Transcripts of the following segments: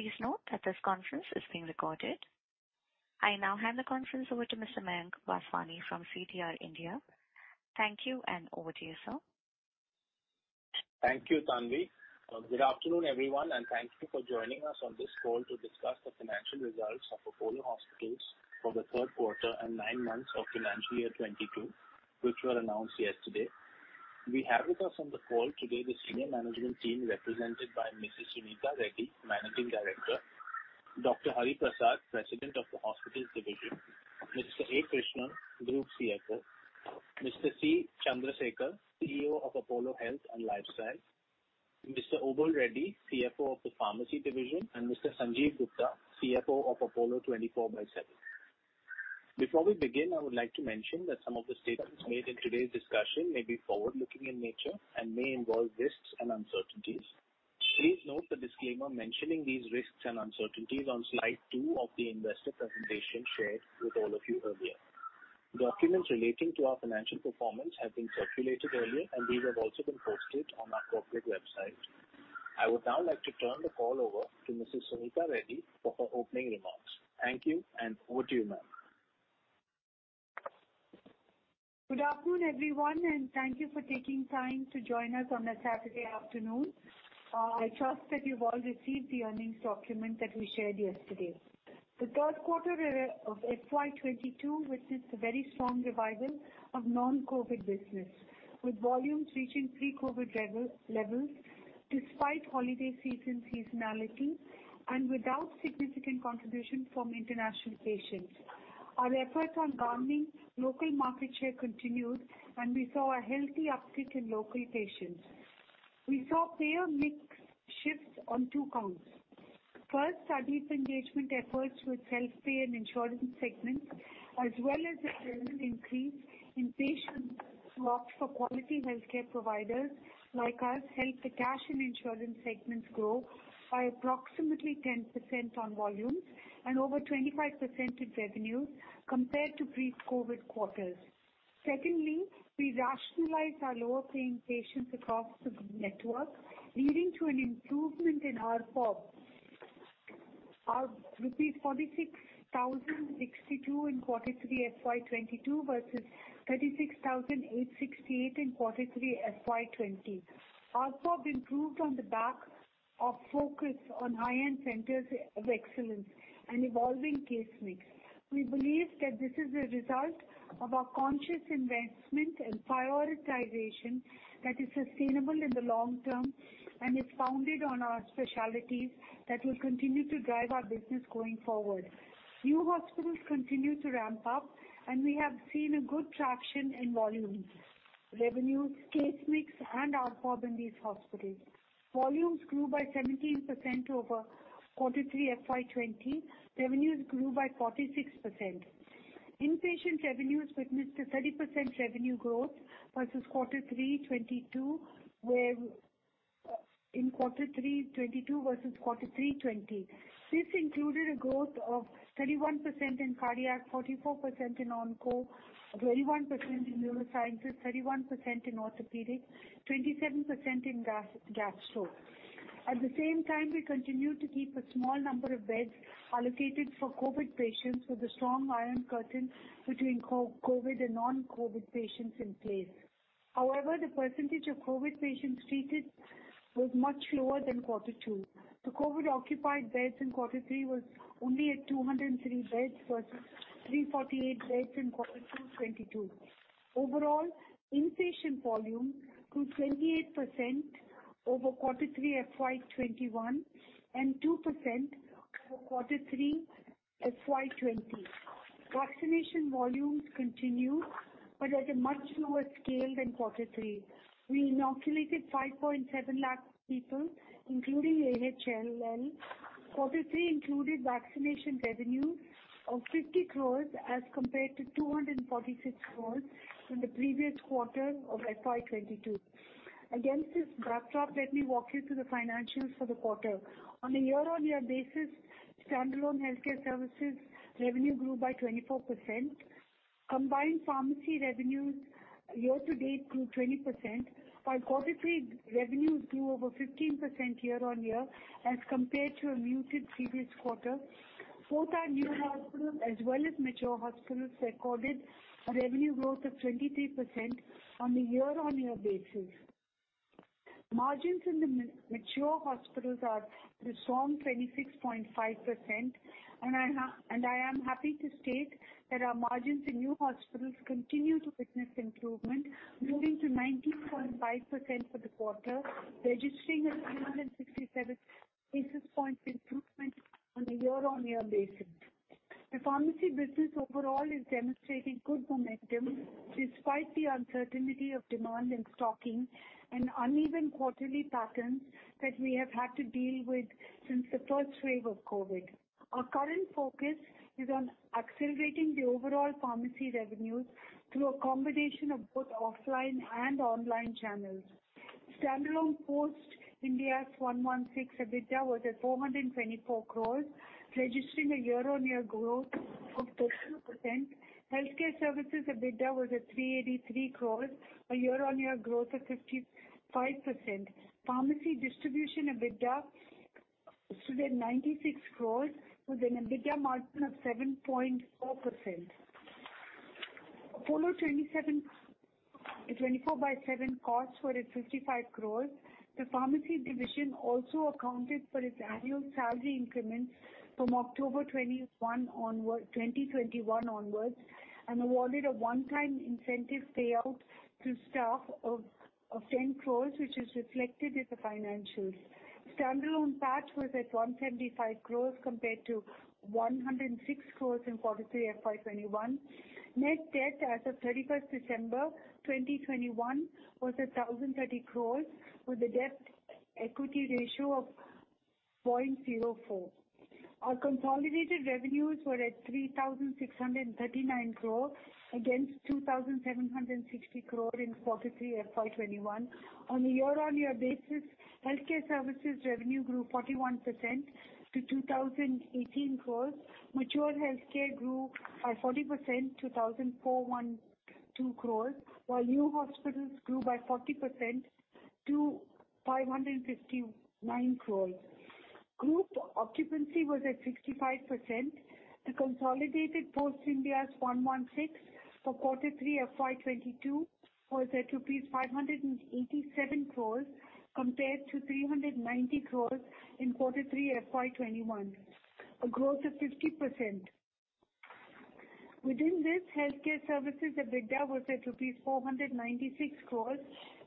Please note that this conference is being recorded. I now hand the conference over to Mr. Mayank Vaswani from CDR India. Thank you, and over to you, sir. Thank you, Tanvi. Good afternoon, everyone, and thank you for joining us on this call to discuss the Financial Results of Apollo Hospitals for the Third Quarter and Nine Months of Financial Year 2022, which were announced yesterday. We have with us on the call today the senior management team represented by Mrs. Suneeta Reddy, Managing Director, Dr. Hari Prasad, President of the Hospitals Division, Mr. A. Krishnan, Group CFO, Mr. C. Chandra Sekhar, CEO of Apollo Health and Lifestyle, Mr. Obul Reddy, CFO of the Pharmacy Division, and Mr. Sanjiv Gupta, CFO of Apollo 24|7. Before we begin, I would like to mention that some of the statements made in today's discussion may be forward-looking in nature and may involve risks and uncertainties. Please note the disclaimer mentioning these risks and uncertainties on slide two of the investor presentation shared with all of you earlier. Documents relating to our financial performance have been circulated earlier, and these have also been posted on our corporate website. I would now like to turn the call over to Mrs. Suneeta Reddy for her opening remarks. Thank you, and over to you, ma'am. Good afternoon, everyone, and thank you for taking time to join us on a Saturday afternoon. I trust that you've all received the earnings document that we shared yesterday. The third quarter of FY 2022 witnessed a very strong revival of non-COVID business, with volumes reaching pre-COVID levels despite holiday season seasonality and without significant contribution from international patients. Our efforts on garnering local market share continued, and we saw a healthy uptick in local patients. We saw payer mix shifts on two counts. First, our deep engagement efforts with self-pay and insurance segments as well as a general increase in patients who opt for quality healthcare providers like us helped the cash and insurance segments grow by approximately 10% on volumes and over 25% in revenue compared to pre-COVID quarters. Secondly, we rationalize our lower-paying patients across the network, leading to an improvement in ARPOB. ARPOB INR 46,062 in quarter three FY 2022 versus 36,868 in quarter three FY 2020. ARPOB improved on the back of focus on high-end centers of excellence and evolving case mix. We believe that this is a result of our conscious investment and prioritization that is sustainable in the long term and is founded on our specialties that will continue to drive our business going forward. New hospitals continue to ramp up, and we have seen a good traction in volumes, revenues, case mix, and ARPOB in these hospitals. Volumes grew by 17% over quarter three FY 2020. Revenues grew by 46%. Inpatient revenues witnessed a 30% revenue growth in quarter three FY 2022 versus quarter three FY 2020. This included a growth of 31% in cardiac, 44% in onco, 21% in neurosciences, 31% in orthopedic, 27% in gas, gastro. At the same time, we continued to keep a small number of beds allocated for COVID patients with a strong iron curtain between COVID and non-COVID patients in place. However, the percentage of COVID patients treated was much lower than quarter two. The COVID-occupied beds in quarter three was only at 203 beds versus 348 beds in quarter two 2022. Overall, inpatient volume grew 28% over quarter three FY 2021 and 2% over quarter three FY 2020. Vaccination volumes continued but at a much lower scale than quarter three. We inoculated 5.7 lakh people, including AHLL. Quarter three included vaccination revenue of 50 crore as compared to 246 crore in the previous quarter of FY 2022. Against this backdrop, let me walk you through the financials for the quarter. On a year-on-year basis, standalone healthcare services revenue grew by 24%. Combined pharmacy revenues year-to-date grew 20%, while quarter three revenues grew over 15% year-on-year as compared to a muted previous quarter. Both our new hospitals as well as mature hospitals recorded a revenue growth of 23% on a year-on-year basis. Margins in the mature hospitals are a strong 26.5%, and I am happy to state that our margins in new hospitals continue to witness improvement, moving to 19.5% for the quarter, registering a 367 basis point improvement on a year-on-year basis. The pharmacy business overall is demonstrating good momentum despite the uncertainty of demand in stocking and uneven quarterly patterns that we have had to deal with since the first wave of COVID. Our current focus is on accelerating the overall pharmacy revenues through a combination of both offline and online channels. Standalone post Ind AS 116 EBITDA was at 424 crore, registering a year-on-year growth of 13%. Healthcare services EBITDA was at 383 crore, a year-on-year growth of 55%. Pharmacy distribution EBITDA stood at 96 crore with an EBITDA margin of 7.4%. Apollo 24|7 costs were at 55 crore. The pharmacy division also accounted for its annual salary increments from October 2021 onwards, and awarded a one-time incentive payout to staff of 10 crore, which is reflected in the financials. Standalone PAT was at 175 crore compared to 106 crore in Q3 FY 2021. Net debt as of 31st December 2021 was 1,030 crore, with a debt equity ratio of 0.04. Our consolidated revenues were at 3,639 crore against 2,760 crore in quarter three FY 2021. On a year-on-year basis, healthcare services revenue grew 41% to 2,018 crore. Mature healthcare grew by 40% to 1,412 crore, while new hospitals grew by 40% to 559 crore. Group occupancy was at 65%. The consolidated [post Ind AS was 116] for quarter three FY 2022 was at rupees 587 crore compared to 390 crore in Q3 FY 2021. A growth of 50%. Within this, healthcare services EBITDA was at INR 496 crore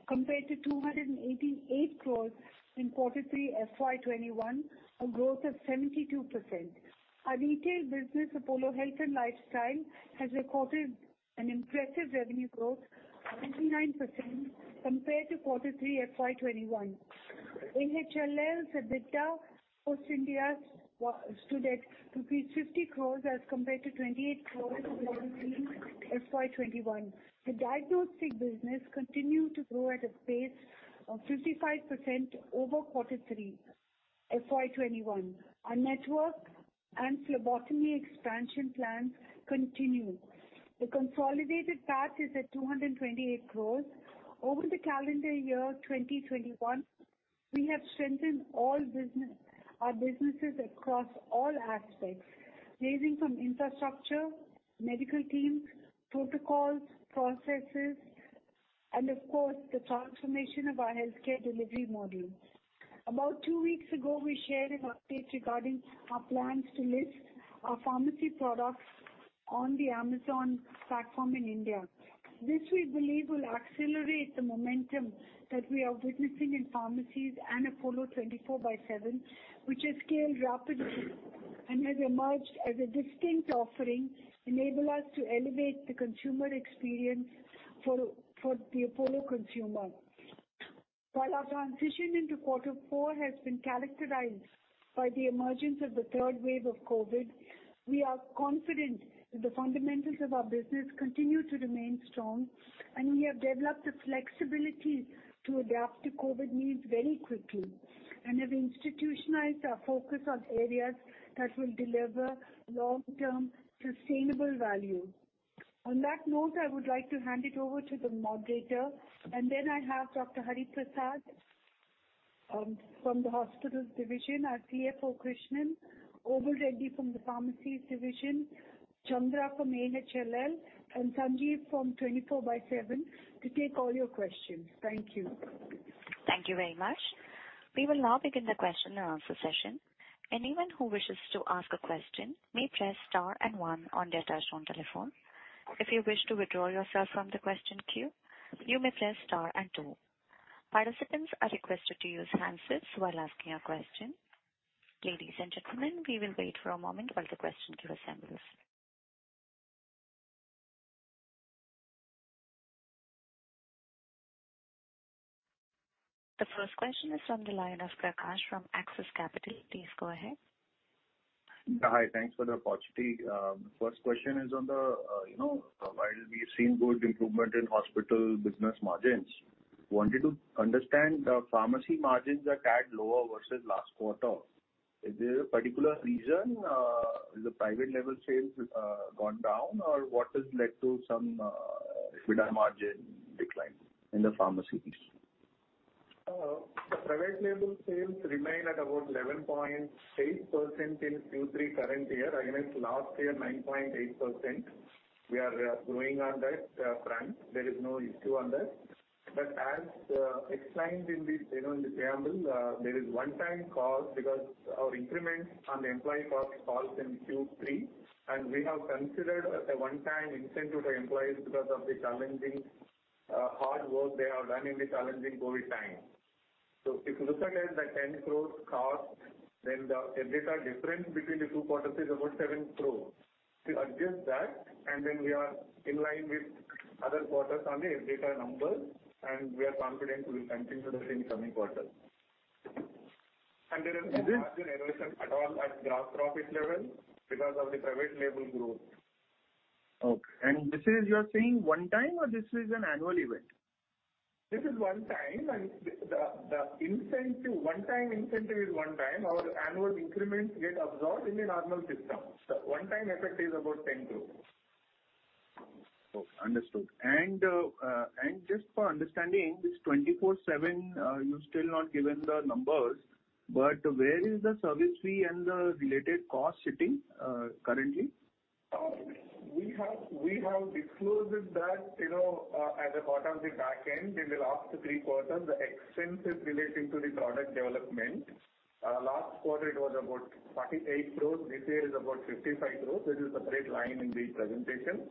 compared to INR 288 crore in quarter three FY 2021. A growth of 72%. Our retail business, Apollo Health and Lifestyle, has recorded an impressive revenue growth, 99% compared to quarter three FY 2021. AHLL's EBITDA post Ind AS stood at rupees 50 crore as compared to 28 crore in quarter three FY 2021. The diagnostic business continued to grow at a pace of 55% over quarter three FY 2021. Our network and phlebotomy expansion plans continue. The consolidated PAT is at 228 crore. Over the calendar year 2021, we have strengthened our businesses across all aspects, ranging from infrastructure, medical teams, protocols, processes and of course, the transformation of our healthcare delivery model. About two weeks ago, we shared an update regarding our plans to list our pharmacy products on the Amazon platform in India. This, we believe, will accelerate the momentum that we are witnessing in pharmacies and Apollo 24|7, which has scaled rapidly and has emerged as a distinct offering, enable us to elevate the consumer experience for the Apollo consumer. While our transition into quarter four has been characterized by the emergence of the third wave of COVID, we are confident that the fundamentals of our business continue to remain strong, and we have developed the flexibility to adapt to COVID needs very quickly and have institutionalized our focus on areas that will deliver long-term sustainable value. On that note, I would like to hand it over to the moderator, and then I have Dr. Hari Prasad from the Hospitals Division, our CFO, Krishnan, Obul Reddy from the Pharmacy Division, Chandra from AHLL, and Sanjiv from 24|7 to take all your questions. Thank you. Thank you very much. We will now begin the question and answer session. Anyone who wishes to ask a question may press star and one on their touch tone telephone. If you wish to withdraw yourself from the question queue, you may press star and two. Participants are requested to use handsets while asking a question. Ladies and gentlemen, we will wait for a moment while the question queue assembles. The first question is from the line of Prakash from Axis Capital. Please go ahead. Hi. Thanks for the opportunity. First question is, while we've seen good improvement in hospital business margins, I wanted to understand the pharmacy margins are a tad lower versus last quarter. Is there a particular reason? Have the private label sales gone down, or what has led to some EBITDA margin decline in the pharmacies? The private label sales remain at about 11.8% in Q3 current year against last year, 9.8%. We are growing on that front. There is no issue on that. As explained in the, you know, in the preamble, there is one time cost because our increments on the employee cost falls in Q3, and we have considered a one time incentive to employees because of the challenging, hard work they have done in the challenging COVID time. If you look at it, the 10 crore cost, then the EBITDA difference between the two quarters is about 7 crore. We adjust that, and then we are in line with other quarters on the EBITDA numbers, and we are confident we will continue the same coming quarter. There is no margin erosion at all at gross profit level because of the private label growth. Okay. This is, you are saying one time or this is an annual event? This is one time. The one time incentive is one time. Our annual increments get absorbed in the normal system. One time effect is about INR 10 crore. Oh, understood. Just for understanding this 24|7, you still not given the numbers, but where is the service fee and the related cost sitting, currently? We have disclosed that, you know, at the bottom of the back end in the last three quarters, the expenses relating to the product development. Last quarter it was about 48 crore. This year is about 55 crore. There is a separate line in the presentation.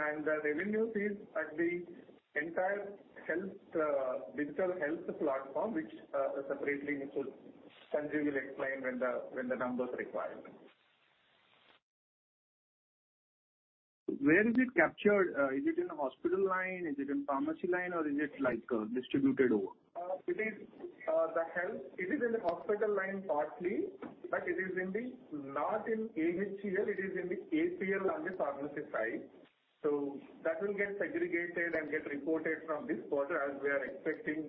The revenues is at the entire health, digital health platform, which, separately Sanjiv will explain when the numbers required. Where is it captured? Is it in hospital line? Is it in pharmacy line, or is it like distributed over? It is in the hospital line partly, but it is not in AHLL, it is in the AHEL and the pharmacy side. That will get segregated and get reported from this quarter as we are expecting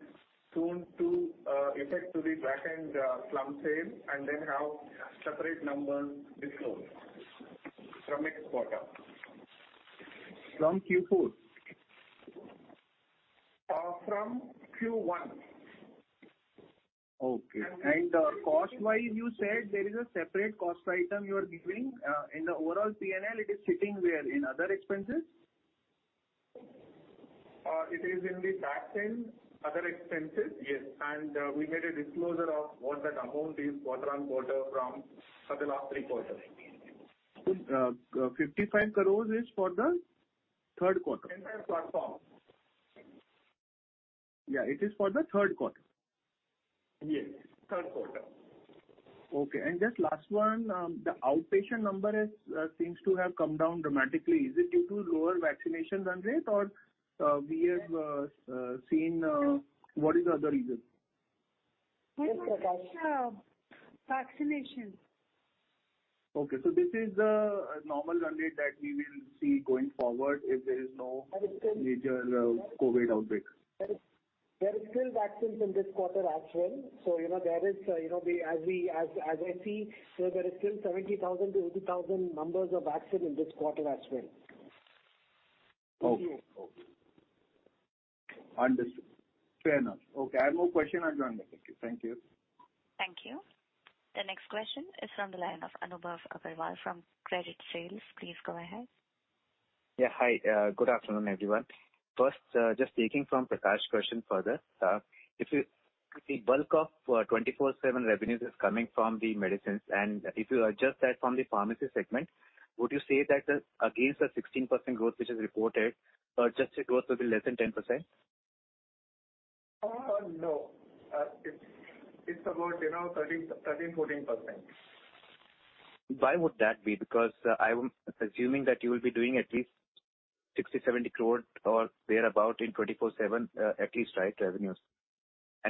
soon to effect the back-end slump sale, and then have separate numbers disclosed from next quarter. From Q4? From Q1. Okay. Cost wise you said there is a separate cost item you are giving. In the overall P&L it is sitting where, in other expenses? It is in the back end. Other expenses, yes. We made a disclosure of what that amount is quarter-on-quarter from for the last three quarters. 55 crore is for the third quarter. Entire platform. Yeah, it is for the third quarter. Yes. Third quarter. Okay. Just last one. The outpatient number seems to have come down dramatically. Is it due to lower vaccinations run rate or we have seen what is the other reason? Yes, Prakash. Vaccinations. Okay. This is the normal run rate that we will see going forward if there is no major COVID outbreak. There is still vaccines in this quarter as well. You know, as I see, there is still 70,000-80,000 numbers of vaccine in this quarter as well. Okay. Understood. Fair enough. Okay, I have no question. I'll join back. Thank you. Thank you. The next question is from the line of Anubhav Agarwal from Credit Suisse. Please go ahead. Yeah. Hi, good afternoon, everyone. First, just taking from Prakash's question further. If you, the bulk of Apollo 24|7 revenues is coming from the medicines, and if you adjust that from the pharmacy segment, would you say that the, against the 16% growth which is reported, just the growth will be less than 10%? No. It's about, you know, 13%-14%. Why would that be? Because I'm assuming that you will be doing at least 60 crore-70 crore or thereabout in Apollo 24|7, at least, right, revenues.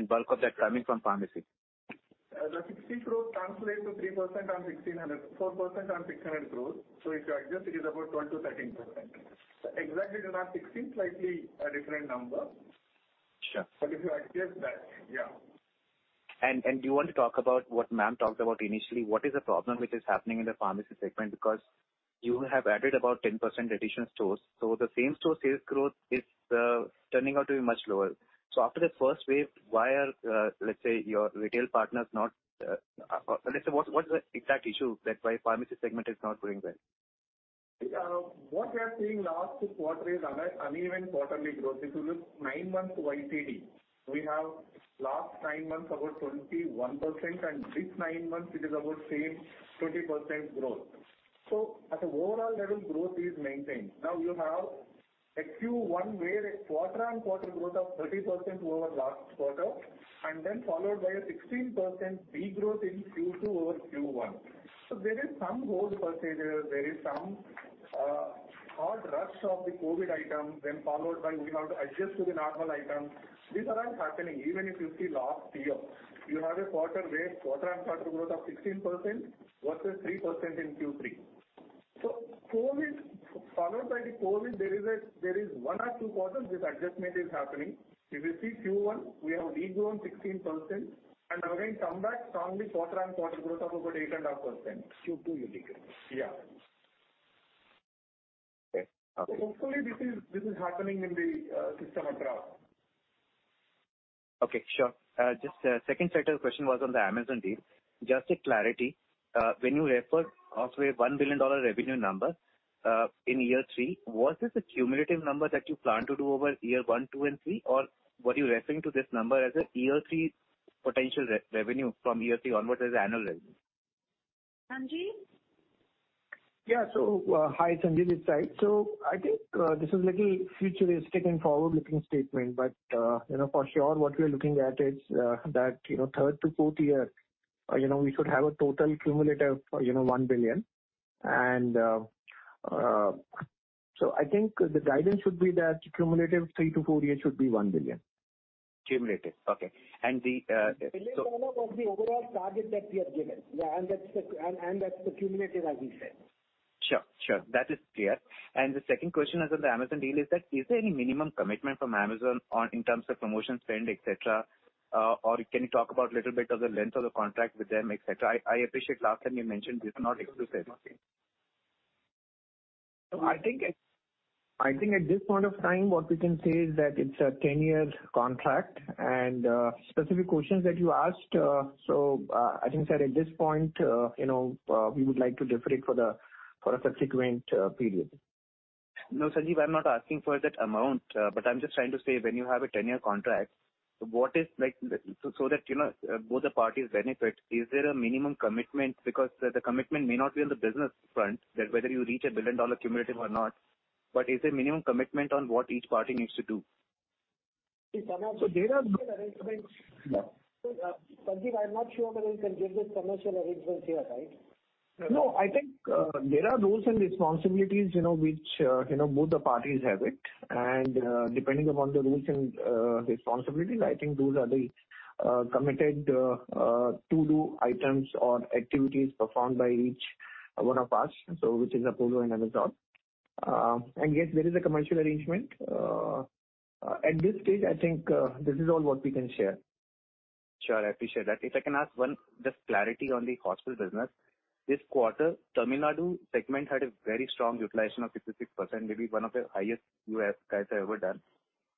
Bulk of that coming from pharmacy. The 60 crore translate to 3% on 1,600 crore, 4% on 600 crore. If you adjust, it is about 12%-13%. Exactly it is not 16%, slightly a different number. Sure. If you adjust that, yeah. Do you want to talk about what ma'am talked about initially, what is the problem which is happening in the pharmacy segment because you have added about 10% additional stores, so the same store sales growth is turning out to be much lower. After the first wave, why are your retail partners not, let's say, what is the exact issue that why pharmacy segment is not doing well? What we are seeing last six quarters is uneven quarterly growth. If you look nine months YTD, we have last nine months about 21% and this nine months it is about same 20% growth. At an overall level, growth is maintained. Now you have a Q1 where a quarter-on-quarter growth of 30% over last quarter and then followed by a 16% de-growth in Q2 over Q1. There is some COVID procedures. There is some hard rush of the COVID item then followed by we have to adjust to the normal items. These are all happening even if you see last year. You have a quarter where quarter-on-quarter growth of 16% versus 3% in Q3. COVID, followed by the COVID, there is one or two quarters this adjustment is happening. If you see Q1, we have de-grown 16% and again come back strongly quarter-on-quarter growth of about 8.5%. Q2 you think? Yeah. Okay. Hopefully this is happening in the system across. Okay, sure. Just a second set of question was on the Amazon deal. Just a clarity, when you refer also a $1 billion revenue number, in year three, was this a cumulative number that you plan to do over year one, two and three, or were you referring to this number as a year three potential revenue from year three onwards as annual revenue? Sanjiv? Hi, Sanjiv this side. I think this is a little futuristic and forward-looking statement, but you know, for sure what we are looking at is that you know, third to fourth year you know, we should have a total cumulative you know, $1 billion. I think the guidance should be that cumulative three to four years should be $1 billion. Cumulative. Okay. It's part of the overall target that we have given. Yeah, that's the cumulative as he said. Sure, sure. That is clear. The second question is on the Amazon deal, is that, is there any minimum commitment from Amazon on in terms of promotion spend, et cetera? Or can you talk about a little bit of the length of the contract with them, et cetera? I appreciate last time you mentioned this is not exclusive. I think at this point of time, what we can say is that it's a 10-year contract and specific questions that you asked, so I think that at this point, you know, we would like to defer it for a subsequent period. No, Sanjiv, I'm not asking for that amount, but I'm just trying to say when you have a 10-year contract, so that, you know, both the parties benefit. Is there a minimum commitment? Because the commitment may not be on the business front that whether you reach a $1 billion cumulative or not, but is there minimum commitment on what each party needs to do? There are Commercial arrangements. Sanjiv, I'm not sure whether we can give the commercial arrangements here, right? No, I think there are roles and responsibilities, you know, which, you know, both the parties have it. Depending upon the roles and responsibilities, I think those are the committed to-do items or activities performed by each one of us. Which is Apollo and Amazon. And yes, there is a commercial arrangement. At this stage, I think this is all what we can share. Sure. I appreciate that. If I can ask one just clarity on the hospital business. This quarter, Tamil Nadu segment had a very strong utilization of 66%, maybe one of the highest you guys have ever done,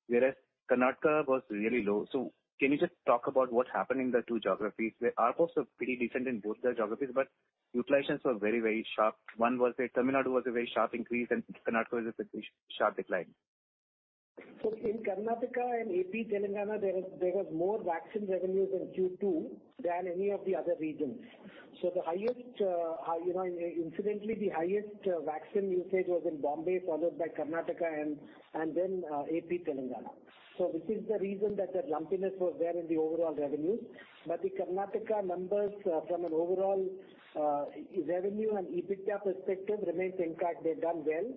whereas Karnataka was really low. Can you just talk about what happened in the two geographies? The ARPOB were pretty decent in both the geographies, but utilizations were very, very sharp. Tamil Nadu was a very sharp increase and Karnataka was a sharp decline. In Karnataka and AP, Telangana, there was more vaccine revenues in Q2 than any of the other regions. The highest, you know, incidentally, the highest vaccine usage was in Bombay, followed by Karnataka and then AP, Telangana. This is the reason that the lumpiness was there in the overall revenues. But the Karnataka numbers from an overall revenue and EBITDA perspective remains intact. They've done well.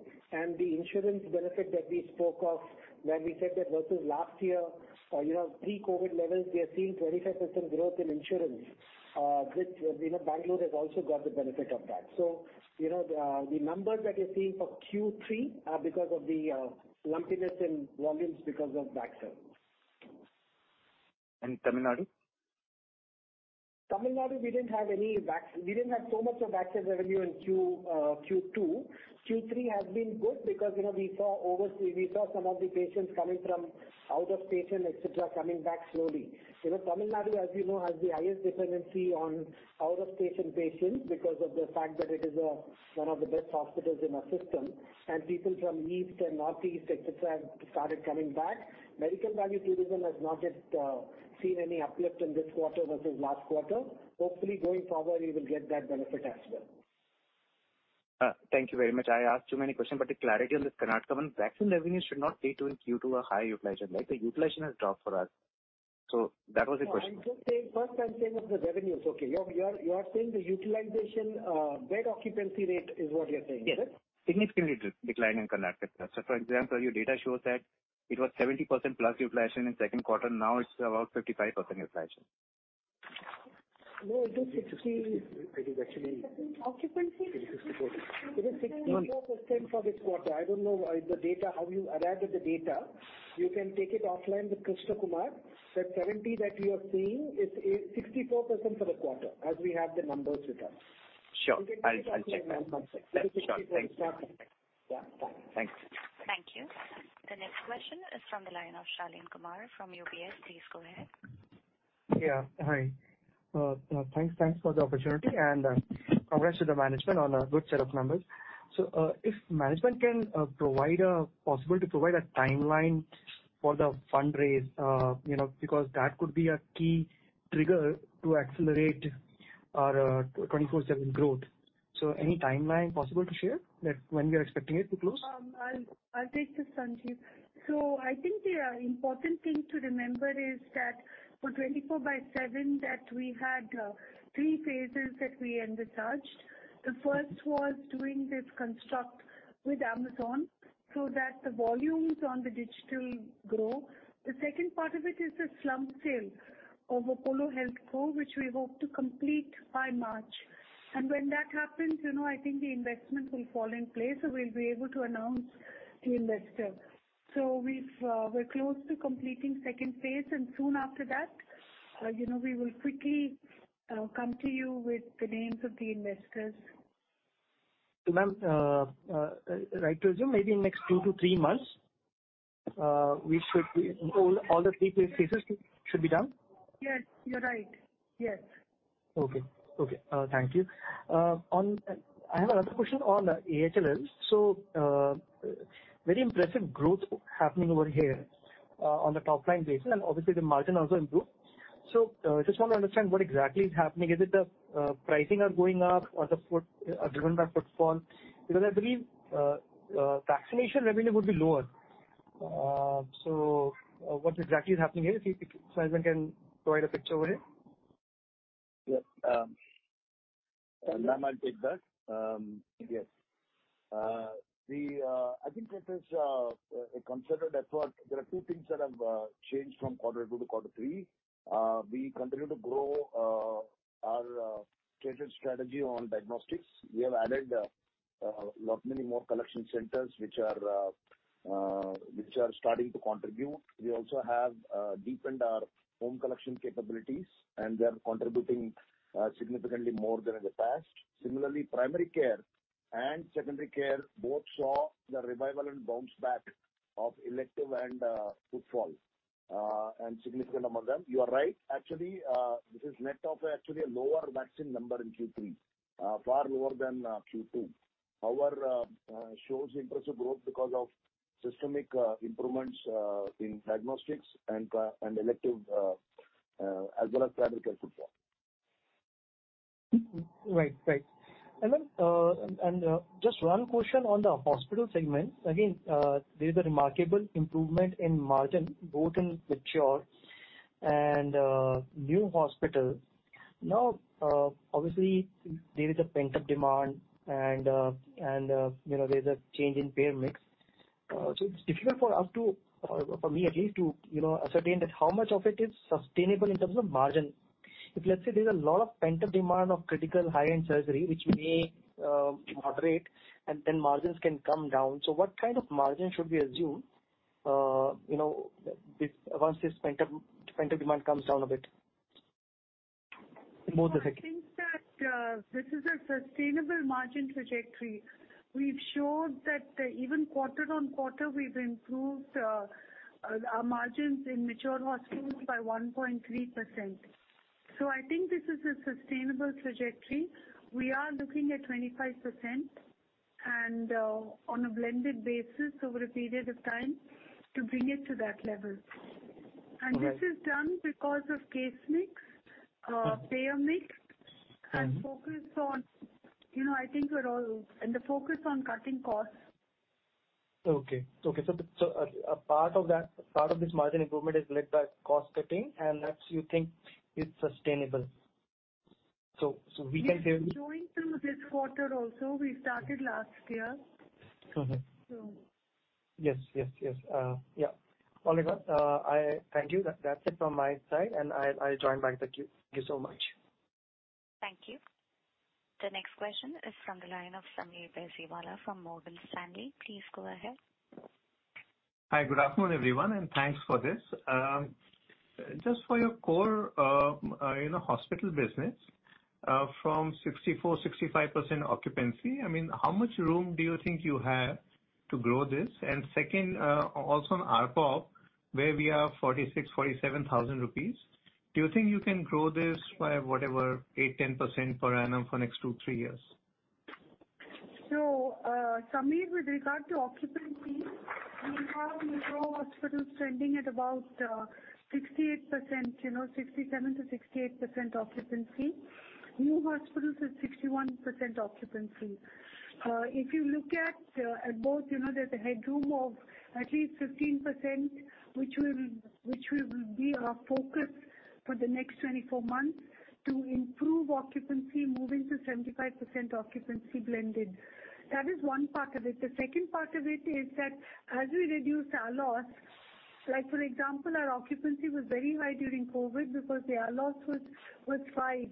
The insurance benefit that we spoke of when we said that versus last year, you know, pre-COVID levels, we are seeing 25% growth in insurance, which, you know, Bangalore has also got the benefit of that. You know, the numbers that you're seeing for Q3 are because of the lumpiness in volumes because of vaccines. Tamil Nadu? Tamil Nadu, we didn't have so much of vaccine revenue in Q2. Q3 has been good because, you know, we saw some of the patients coming from out of station, et cetera, coming back slowly. You know, Tamil Nadu, as you know, has the highest dependency on out-of-station patients because of the fact that it is one of the best hospitals in our system. People from east and northeast, et cetera, have started coming back. Medical value tourism has not yet seen any uplift in this quarter versus last quarter. Hopefully, going forward we will get that benefit as well. Thank you very much. I asked too many questions, but the clarity on this Karnataka one. Vaccine revenues should not be doing Q2 a high utilization, right? The utilization has dropped for us. That was a question. No, I'm just saying, first I'm saying of the revenues. Okay. You're saying the utilization, bed occupancy rate is what you're saying, correct? Yes. Significantly declined in Karnataka. For example, your data shows that it was 70%+ utilization in second quarter. Now it's about 55% utilization. No, it is 60. It is actually- Occupancy. It is 64% for this quarter. I don't know why the data, how you arrived at the data. You can take it offline with Krishnakumar. That 70 that you are seeing is 64% for the quarter as we have the numbers with us. Sure. I'll check that. You can take it offline. Sure. Thanks. Yeah, bye. Thanks. Thank you. The next question is from the line of Shaleen Kumar from UBS. Please go ahead. Hi. Thanks for the opportunity and congrats to the management on a good set of numbers. If management can provide a timeline for the fundraise, you know, because that could be a key trigger to accelerate our 24|7 growth. Any timeline possible to share that when we are expecting it to close? I'll take this, Sanjiv. I think the important thing to remember is that for 24|7, we had three phases that we envisaged. The first was doing this construct with Amazon so that the volumes on the digital grow. The second part of it is the slump sale of Apollo HealthCo, which we hope to complete by March. When that happens, you know, I think the investments will fall in place, so we'll be able to announce the investor. We're close to completing second phase, and soon after that, you know, we will quickly come to you with the names of the investors. Ma'am, is it right to assume maybe in the next two to three months, all the three phases should be done? Yes, you're right. Yes. Okay. Thank you. I have another question on AHLL. Very impressive growth happening over here on the top line basis, and obviously the margin also improved. Just want to understand what exactly is happening. Is it the pricing are going up or driven by footfall? Because I believe vaccination revenue would be lower. What exactly is happening here? If management can provide a picture over here. Yeah. Ma'am, I'll take that. Yes. I think it is considered that there are two things that have changed from quarter two to quarter three. We continue to grow our stated strategy on diagnostics. We have added lot many more collection centers which are, which are starting to contribute. We also have deepened our home collection capabilities, and they're contributing significantly more than in the past. Similarly, primary care and secondary care both saw the revival and bounce back of elective and footfall, and significant among them. You are right. Actually, this is net of actually a lower vaccine number in Q3, far lower than Q2. However, shows impressive growth because of systemic improvements in diagnostics and elective, as well as primary care footfall. Right. Just one question on the hospital segment. Again, there is a remarkable improvement in margin, both in mature and new hospital. Now, obviously there is a pent-up demand and, you know, there's a change in payer mix. It's difficult for me at least to, you know, ascertain how much of it is sustainable in terms of margin. If let's say there's a lot of pent-up demand of critical high-end surgery which may moderate and then margins can come down. What kind of margin should we assume, you know, once this pent-up demand comes down a bit in both the segments? I think that this is a sustainable margin trajectory. We've showed that even quarter-on-quarter we've improved our margins in mature hospitals by 1.3%. I think this is a sustainable trajectory. We are looking at 25% and on a blended basis over a period of time to bring it to that level. All right. This is done because of case mix, payer mix. And- Focus on, you know, I think we're all the focus on cutting costs. Okay. A part of this margin improvement is led by cost cutting, and that you think is sustainable. We can say- It's going through this quarter also. We started last year. Mm-hmm. So. Yes. Yeah. Thank you. That's it from my side, and I'll join back the queue. Thank you so much. Thank you. The next question is from the line of Sameer Baisiwala from Morgan Stanley. Please go ahead. Hi. Good afternoon, everyone, and thanks for this. Just for your core, you know, hospital business, from 64%-65% occupancy, I mean, how much room do you think you have to grow this? Second, also on ARPOB, where we are 46,000-47,000 rupees, do you think you can grow this by whatever, 8%-10% per annum for next 2-3 years? Sameer, with regard to occupancy, we have new hospitals trending at about 68%, you know, 67%-68% occupancy. New hospitals is 61% occupancy. If you look at both, you know, there's headroom of at least 15%, which will be our focus for the next 24 months to improve occupancy moving to 75% occupancy blended. That is one part of it. The second part of it is that as we reduce ALOS, like for example, our occupancy was very high during COVID because the ALOS was five.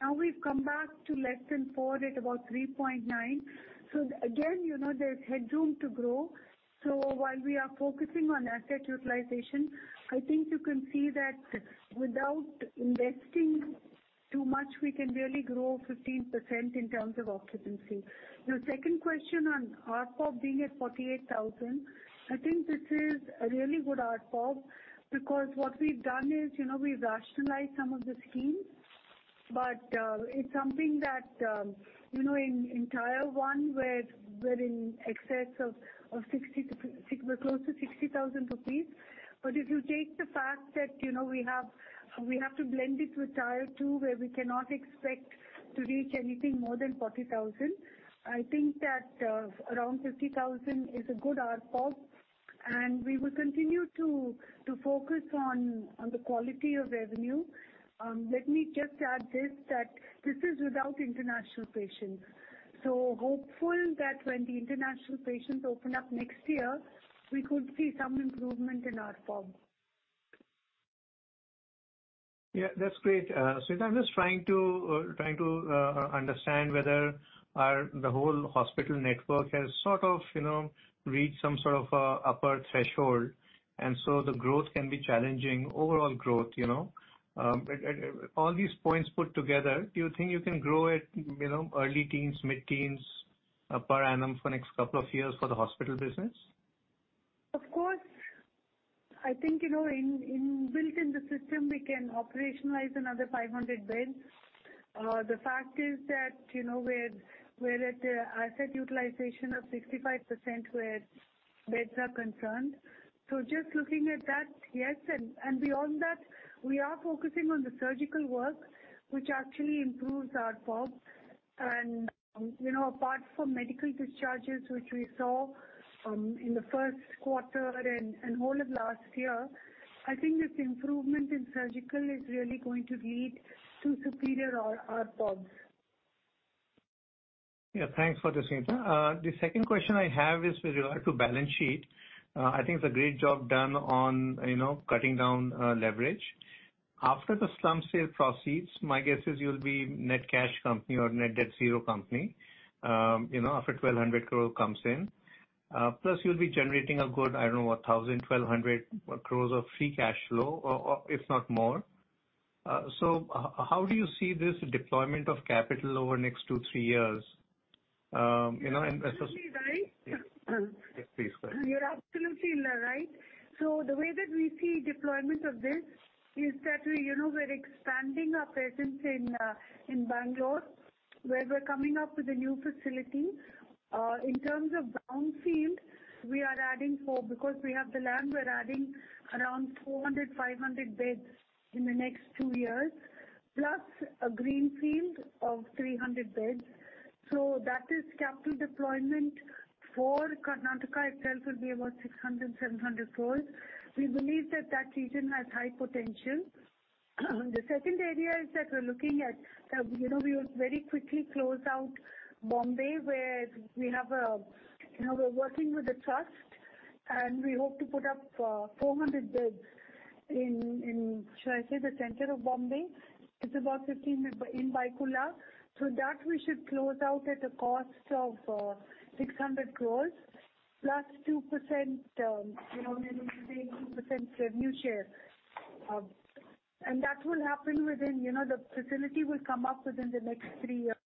Now we've come back to less than four at about 3.9. Again, you know, there's headroom to grow. While we are focusing on asset utilization, I think you can see that without investing too much, we can really grow 15% in terms of occupancy. Your second question on ARPOB being at 48,000, I think this is a really good ARPOB, because what we've done is, you know, we've rationalized some of the schemes. It's something that, you know, in tier one where we're in excess of...We're close to 60,000 rupees. If you take the fact that, you know, we have to blend it with tier two, where we cannot expect to reach anything more than 40,000, I think that around 50,000 is a good ARPOB, and we will continue to focus on the quality of revenue. Let me just add this, that this is without international patients. Hopeful that when the international patients open up next year, we could see some improvement in ARPOB. Yeah, that's great. Suneeta, I'm just trying to understand whether the whole hospital network has sort of, you know, reached some sort of upper threshold, and so the growth can be challenging, overall growth, you know. All these points put together, do you think you can grow at, you know, early teens, mid-teens per annum for next couple of years for the hospital business? Of course. I think, you know, inbuilt in the system we can operationalize another 500 beds. The fact is that, you know, we're at an asset utilization of 65% where beds are concerned. So just looking at that, yes. Beyond that, we are focusing on the surgical work, which actually improves ARPOB. You know, apart from medical discharges which we saw in the first quarter and whole of last year, I think this improvement in surgical is really going to lead to superior ARPOBs. Yeah. Thanks for that, Suneeta. The second question I have is with regard to balance sheet. I think it's a great job done on, you know, cutting down leverage. After the slump sale proceeds, my guess is you'll be net cash company or net debt zero company, you know, after 1,200 crore comes in. Plus you'll be generating a good, I don't know, 1,000, 1,200 crore of free cash flow or if not more. How do you see this deployment of capital over the next two to three years? Absolutely right. Yes, please go ahead. You're absolutely right. The way that we see deployment of this is that we, you know, we're expanding our presence in Bangalore, where we're coming up with a new facility. In terms of brownfield, because we have the land, we're adding around 400-500 beds in the next two years, plus a greenfield of 300 beds. That is capital deployment for Karnataka itself, which will be about 600 crore-700 crore. We believe that region has high potential. The second area is that we're looking at, you know, we will very quickly close out Mumbai, where we're working with the trust, and we hope to put up 400 beds in, should I say, the center of Mumbai. It's about 15 beds in Byculla. That we should close out at a cost of 600 crore, +2%, you know, maybe say 2% revenue share. That will happen within, you know, the facility will come up within the next three years.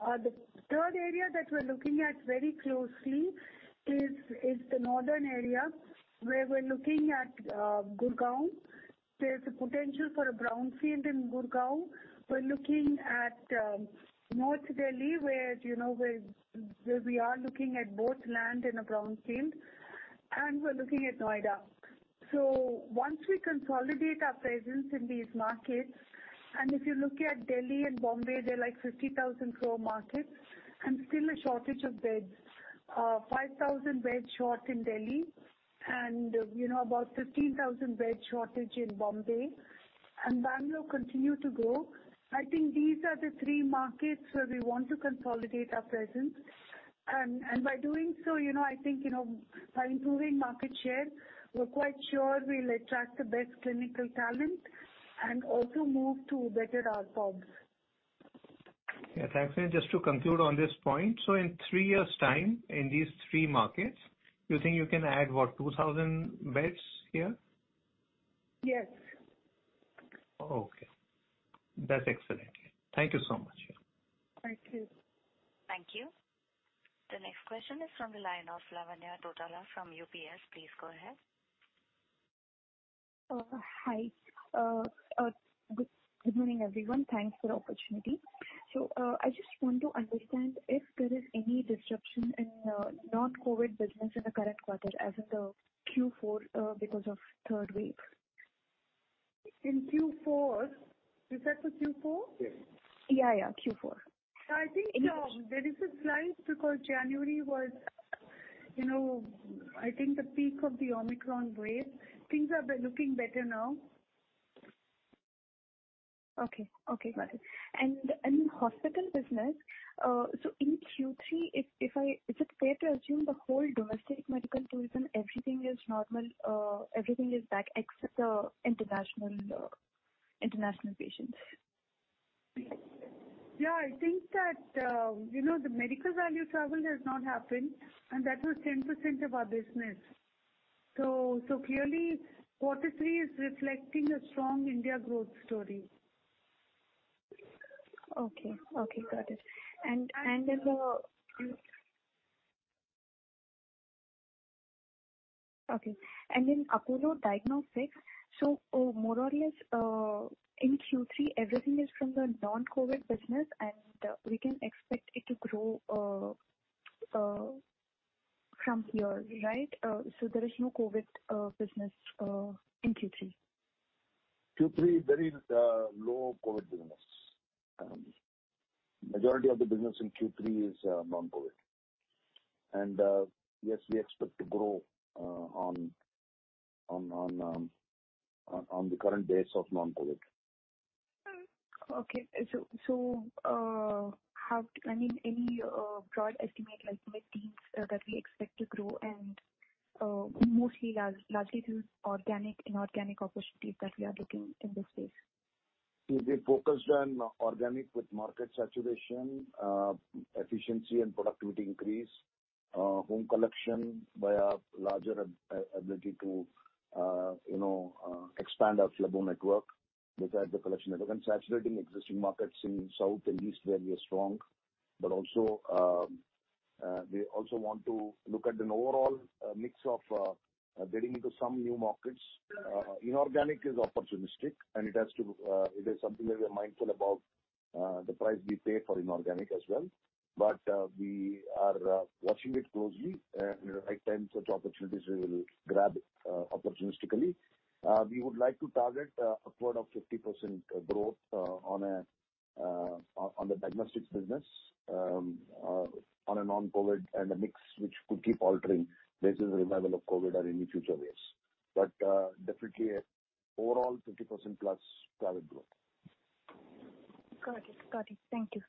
The third area that we're looking at very closely is the northern area, where we're looking at Gurgaon. There's a potential for a brownfield in Gurgaon. We're looking at North Delhi, where we are looking at both land and a brownfield, and we're looking at Noida. Once we consolidate our presence in these markets, and if you look at Delhi and Bombay, they're like 50,000 crore markets and still a shortage of beds. 5,000 beds short in Delhi and, you know, about 15,000 bed shortage in Bombay. Bangalore continue to grow. I think these are the three markets where we want to consolidate our presence. By doing so, you know, I think, you know, by improving market share, we're quite sure we'll attract the best clinical talent and also move to better ARPOBs. Yeah, thanks. Just to conclude on this point. In three years' time in these three markets, you think you can add what, 2,000 beds here? Yes. Okay. That's excellent. Thank you so much. Thank you. Thank you. The next question is from the line of Lavanya Tottala from UBS. Please go ahead. Hi. Good morning, everyone. Thanks for the opportunity. I just want to understand if there is any disruption in non-COVID business in the current quarter, as in the Q4, because of third wave. In Q4. You said for Q4? Yeah, yeah, Q4. I think, there is a slight, because January was, you know, I think the peak of the Omicron wave. Things are looking better now. Okay. Okay, got it. In hospital business, in Q3, is it fair to assume the whole domestic medical tourism, everything is normal, everything is back except the international patients? Yeah, I think that, you know, the medical value travel has not happened, and that was 10% of our business. Clearly, quarter three is reflecting a strong India growth story. Okay, got it. In Apollo Diagnostics, so more or less, in Q3, everything is from the non-COVID business, and we can expect it to grow from here, right? So there is no COVID business in Q3. Q3, very low COVID business. Majority of the business in Q3 is non-COVID. Yes, we expect to grow on the current base of non-COVID. I mean, any broad estimate like with teams that we expect to grow and mostly largely through organic, inorganic opportunities that we are looking in this space. We'll be focused on organic with market saturation, efficiency and productivity increase, home collection by a larger ability to, you know, expand our lab network besides the collection network, and saturating existing markets in South and East where we are strong. We also want to look at an overall mix of getting into some new markets. Inorganic is opportunistic, and it is something that we are mindful about, the price we pay for inorganic as well. We are watching it closely, and at the right time such opportunities we will grab, opportunistically. We would like to target upward of 50% growth on the diagnostics business on a non-COVID and a mix which could keep altering based on the revival of COVID or any future waves. Definitely overall 50%+ private growth. Got it. Thank you.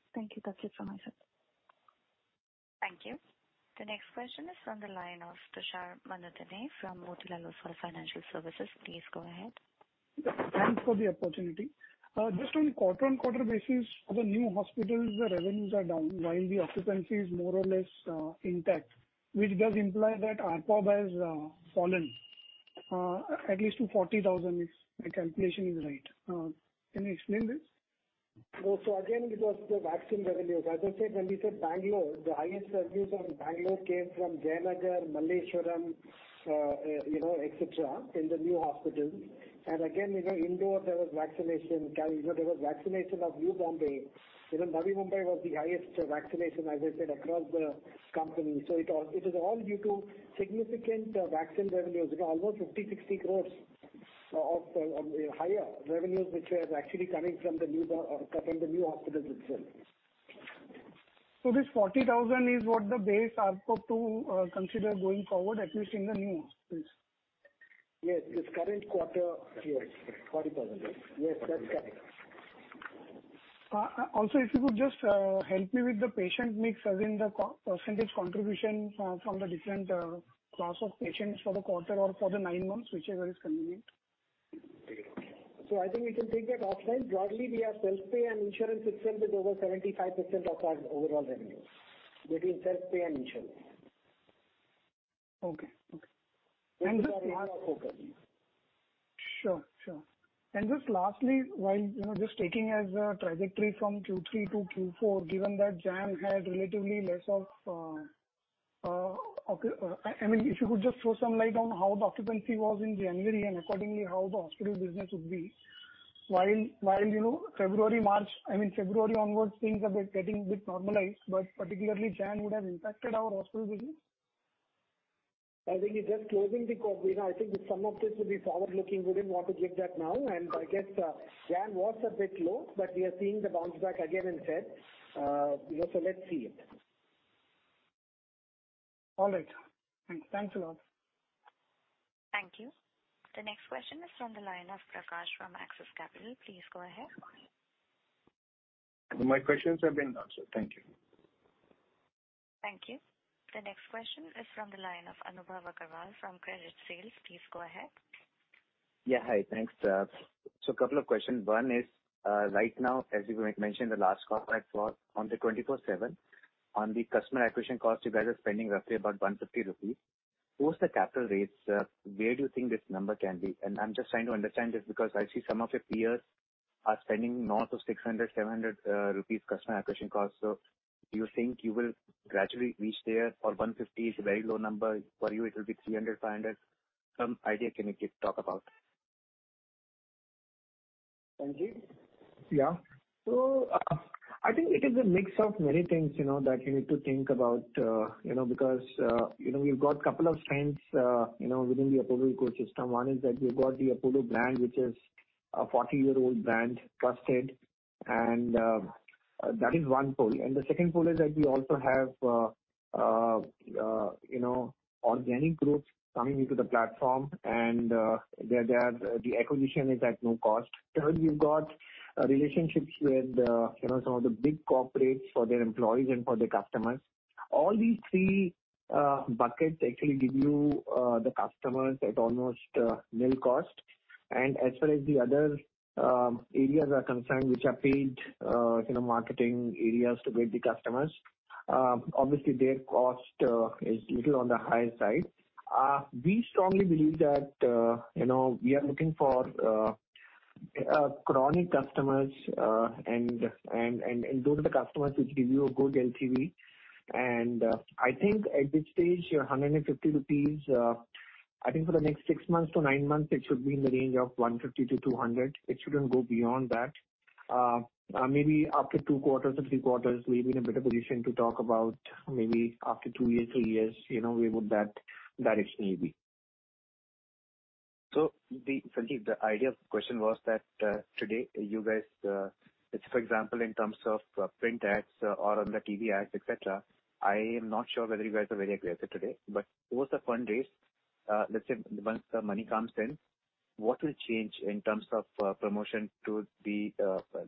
That's it from my side. Thank you. The next question is from the line of Tushar Manudhane from Motilal Oswal Financial Services. Please go ahead. Thanks for the opportunity. Just on a quarter-on-quarter basis for the new hospitals, the revenues are down while the occupancy is more or less intact, which does imply that ARPOB has fallen at least to 40,000, if my calculation is right. Can you explain this? No. Again, because the vaccine revenues. As I said, when we said Bangalore, the highest revenues from Bangalore came from Jayanagar, Malleshwaram, you know, et cetera, in the new hospitals. Again, you know, Indore, there was vaccination. Kolkata. You know, there was vaccination in Navi Mumbai, as I said, across the company. It all is due to significant vaccine revenues. You know, almost 50 crore-60 crore of higher revenues which was actually coming from the new hospitals itself. This 40,000 is what the base ARPOB to consider going forward, at least in the new hospitals? Yes. This current quarter, yes. 40,000, right? Yes, that's correct. Also, if you could just help me with the patient mix, as in the percentage contribution from the different class of patients for the quarter or for the nine months, whichever is convenient. I think we can take that offline. Broadly, we have self-pay and insurance itself is over 75% of our overall revenue, between self-pay and insurance. Okay. Which is our main focus. Sure. Just lastly, while you know, just taking as a trajectory from Q3 to Q4, given that January had relatively less occupancy. I mean, if you could just throw some light on how the occupancy was in January and accordingly how the hospital business would be. While you know, February onwards things are getting a bit normalized, but particularly January would have impacted our hospital business. I think it's just closing the COVID. I think some of this will be forward-looking. We didn't want to take that now. I guess, January was a bit low, but we are seeing the bounce back again instead. You know, let's see. All right. Thanks. Thanks a lot. Thank you. The next question is from the line of Prakash from Axis Capital. Please go ahead. My questions have been answered. Thank you. Thank you. The next question is from the line of Anubhav Agarwal from Credit Suisse. Please go ahead. Hi. Thanks. A couple of questions. One is, right now, as you mentioned the last call, right, on the Apollo 24|7, on the customer acquisition cost, you guys are spending roughly about 150 rupees. Post the capital raise, where do you think this number can be? And I'm just trying to understand this because I see some of your peers are spending north of 600, INR 700customer acquisition cost. Do you think you will gradually reach there or 150 is a very low number. For you it will be 300, 500. Can you give some idea, talk about? Sanjiv? Yeah. I think it is a mix of many things, you know, that you need to think about, you know, because, you know, we've got couple of strengths, you know, within the Apollo ecosystem. One is that we've got the Apollo brand, which is a 40-year-old brand, trusted, and that is one pole. The second pole is that we also have, you know, organic groups coming into the platform and there the acquisition is at no cost. Third, we've got relationships with, you know, some of the big corporates for their employees and for their customers. All these three buckets actually give you the customers at almost nil cost. As far as the other areas are concerned which are paid, you know, marketing areas to get the customers, obviously their cost is little on the higher side. We strongly believe that, you know, we are looking for chronic customers, and those are the customers which give you a good LTV. I think at this stage, your 150 rupees, I think for the next six months to nine months, it should be in the range of 150-200. It shouldn't go beyond that. Maybe after two quarters or three quarters, we'll be in a better position to talk about maybe after two years, three years, you know, where would that be maybe. Sanjiv, the idea of the question was that, today you guys, it's for example, in terms of, print ads or on the TV ads, et cetera, I am not sure whether you guys are very aggressive today. Post the fundraise, let's say once the money comes in, what will change in terms of, promotion to the,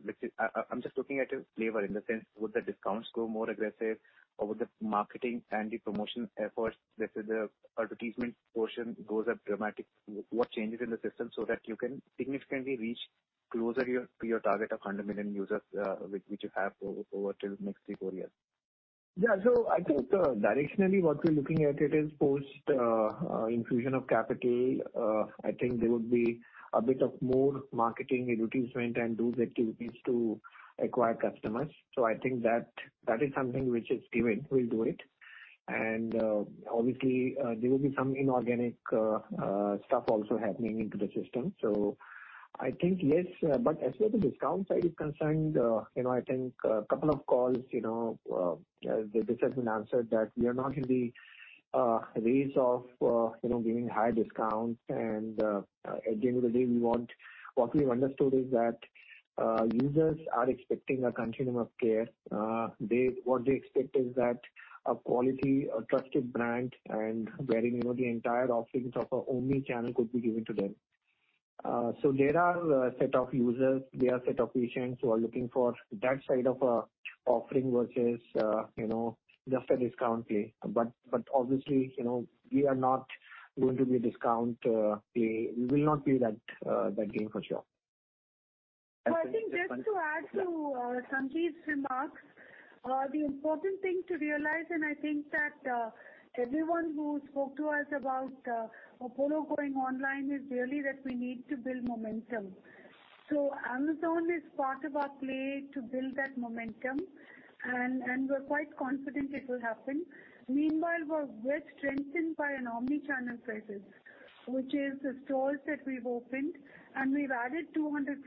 let's say, I'm just looking at a flavor in the sense, would the discounts grow more aggressive or would the marketing and the promotion efforts, let's say the advertisement portion goes up dramatically. What changes in the system so that you can significantly reach closer your, to your target of 100 million users, which you have over till next three, four years? Yeah. I think directionally what we're looking at is post infusion of capital, I think there would be a bit of more marketing and advertisement and those activities to acquire customers. I think that is something which is given, we'll do it. Obviously, there will be some inorganic stuff also happening into the system. I think less. As far as the discount side is concerned, you know, I think a couple of calls, you know, this has been answered that we are not in the race of, you know, giving high discounts. At the end of the day, we want what we've understood is that users are expecting a continuum of care. What they expect is that a quality, a trusted brand and wherein, you know, the entire offerings of an omni-channel could be given to them. There are a set of users, there are a set of patients who are looking for that side of offering versus, you know, just a discount play. Obviously, you know, we are not going to be a discount play. We will not be that game for sure. No, I think just to add to Sanjiv's remarks, the important thing to realize, and I think that everyone who spoke to us about Apollo going online is really that we need to build momentum. Amazon is part of our play to build that momentum and we're quite confident it will happen. Meanwhile, we're strengthened by an omni-channel presence, which is the stores that we've opened, and we've added 200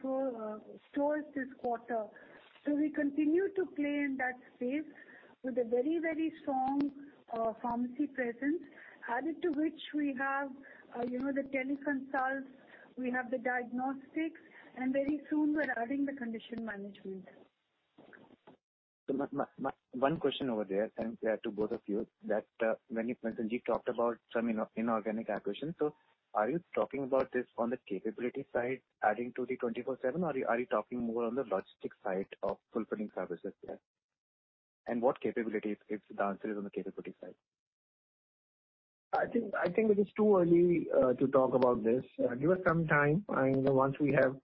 stores this quarter. We continue to play in that space with a very strong pharmacy presence, added to which we have, you know, the teleconsults, we have the diagnostics, and very soon we're adding the condition management. My one question over there to both of you, when you, Sanjiv, talked about some inorganic acquisition. Are you talking about this on the capability side, adding to the 24|7, or are you talking more on the logistics side of fulfilling services there? And what capabilities if the answer is on the capability side. I think it is too early to talk about this. Give us some time and once we have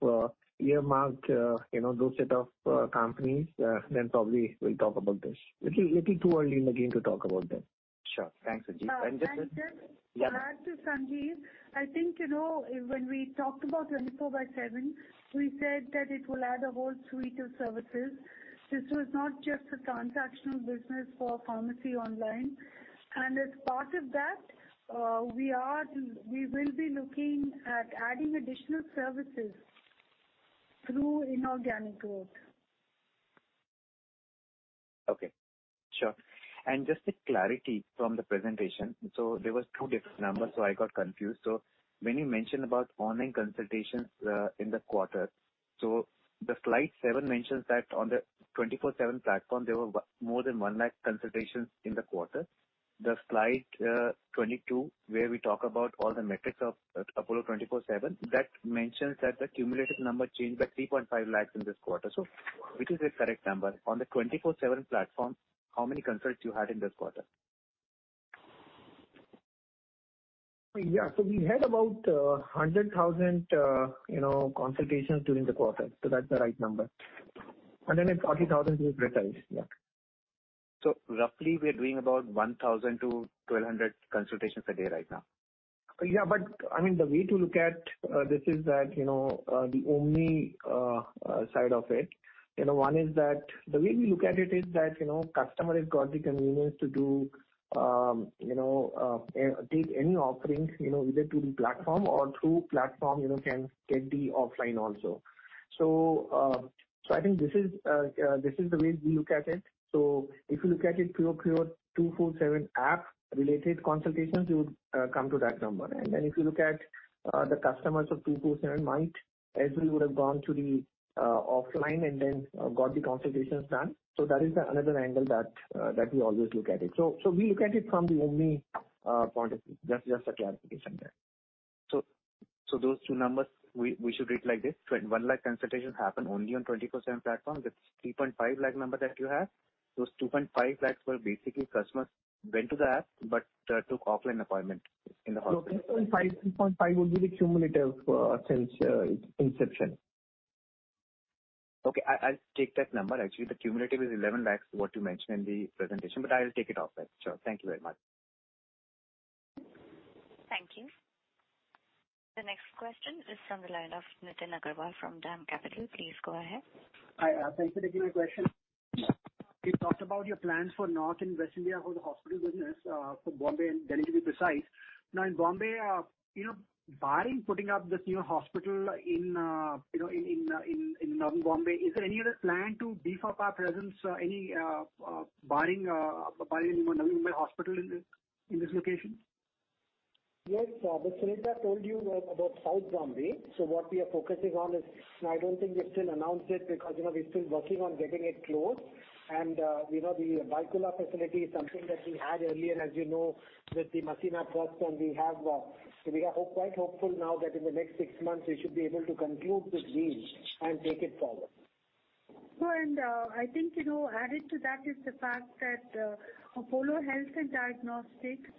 earmarked, you know, those set of companies, then probably we'll talk about this. Little too early in the game to talk about this. Sure. Thanks, Sanjiv. Just- Just to add to Sanjiv, I think, you know, when we talked about 24|7, we said that it will add a whole suite of services. This was not just a transactional business for online pharmacy. As part of that, we will be looking at adding additional services through inorganic growth. Okay. Sure. Just a clarity from the presentation. There was two different numbers, so I got confused. When you mentioned about online consultations in the quarter, the slide seven mentions that on the Apollo 24|7 platform, there were more than 1 lakh consultations in the quarter. The slide 22, where we talk about all the metrics of Apollo 24|7, that mentions that the cumulative number changed by 3.5 lakh in this quarter. Which is the correct number? On the Apollo 24|7 platform, how many consults you had in this quarter? Yeah. We had about 100,000, you know, consultations during the quarter, so that's the right number. It's 30,000 Roughly we are doing about 1000-1200 consultations a day right now. I mean, the way to look at this is that, you know, the omni side of it. You know, one is that the way we look at it is that, you know, customer has got the convenience to do, you know, take any offerings, you know, either through the platform or through platform, you know, can get the offline also. I think this is the way we look at it. If you look at it pure 24|7 app related consultations, you would come to that number. Then if you look at the customers of 24|7 might as well would have gone to the offline and then got the consultations done. That is another angle that we always look at it. We look at it from the omni point of view. Just a clarification there. Those two numbers we should read like this. 1 lakh consultations happen only on Apollo 24|7 platform. The 3.5 lakh number that you have, those 2.5 lakh were basically customers went to the app but took offline appointment in the hospital. No, INR 3.5, 3.5 would be the cumulative since inception. Okay. I'll take that number. Actually, the cumulative is 11 lakh, what you mentioned in the presentation, but I will take it as that. Thank you very much. Thank you. The next question is from the line of Nitin Agarwal from DAM Capital. Please go ahead. Hi. Thanks for taking my question. You talked about your plans for North and West India for the hospital business, for Bombay and Delhi, to be precise. Now, in Bombay, you know, barring putting up this new hospital in, you know, in northern Bombay, is there any other plan to beef up our presence, any barring hospital in this location? Yes. Suneeta told you about South Bombay. What we are focusing on is, I don't think we've still announced it because, you know, we're still working on getting it closed. You know, the Byculla facility is something that we had earlier, as you know, with the Masina Hospital, and we are quite hopeful now that in the next six months we should be able to conclude this deal and take it forward. I think, you know, added to that is the fact that Apollo Health and Diagnostics,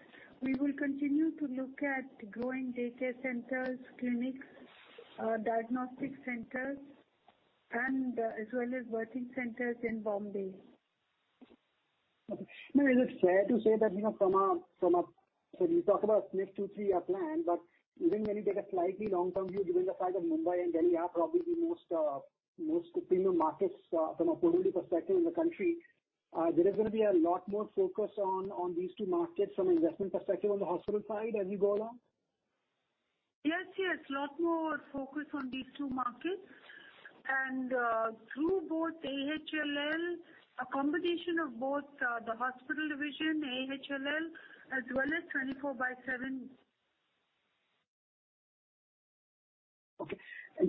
we will continue to look at growing day care centers, clinics, diagnostic centers and, as well as working centers in Bombay. Okay. Now, is it fair to say that, you know, so you talk about next two, three-year plan, but even when you take a slightly long-term view, given the size of Mumbai and Delhi are probably the most premium markets from a property perspective in the country, there is gonna be a lot more focus on these two markets from an investment perspective on the hospital side as you go along? Yes, a lot more focus on these two markets and, through both AHLL, a combination of both, the hospital division, AHLL, as well as 24|7. Okay.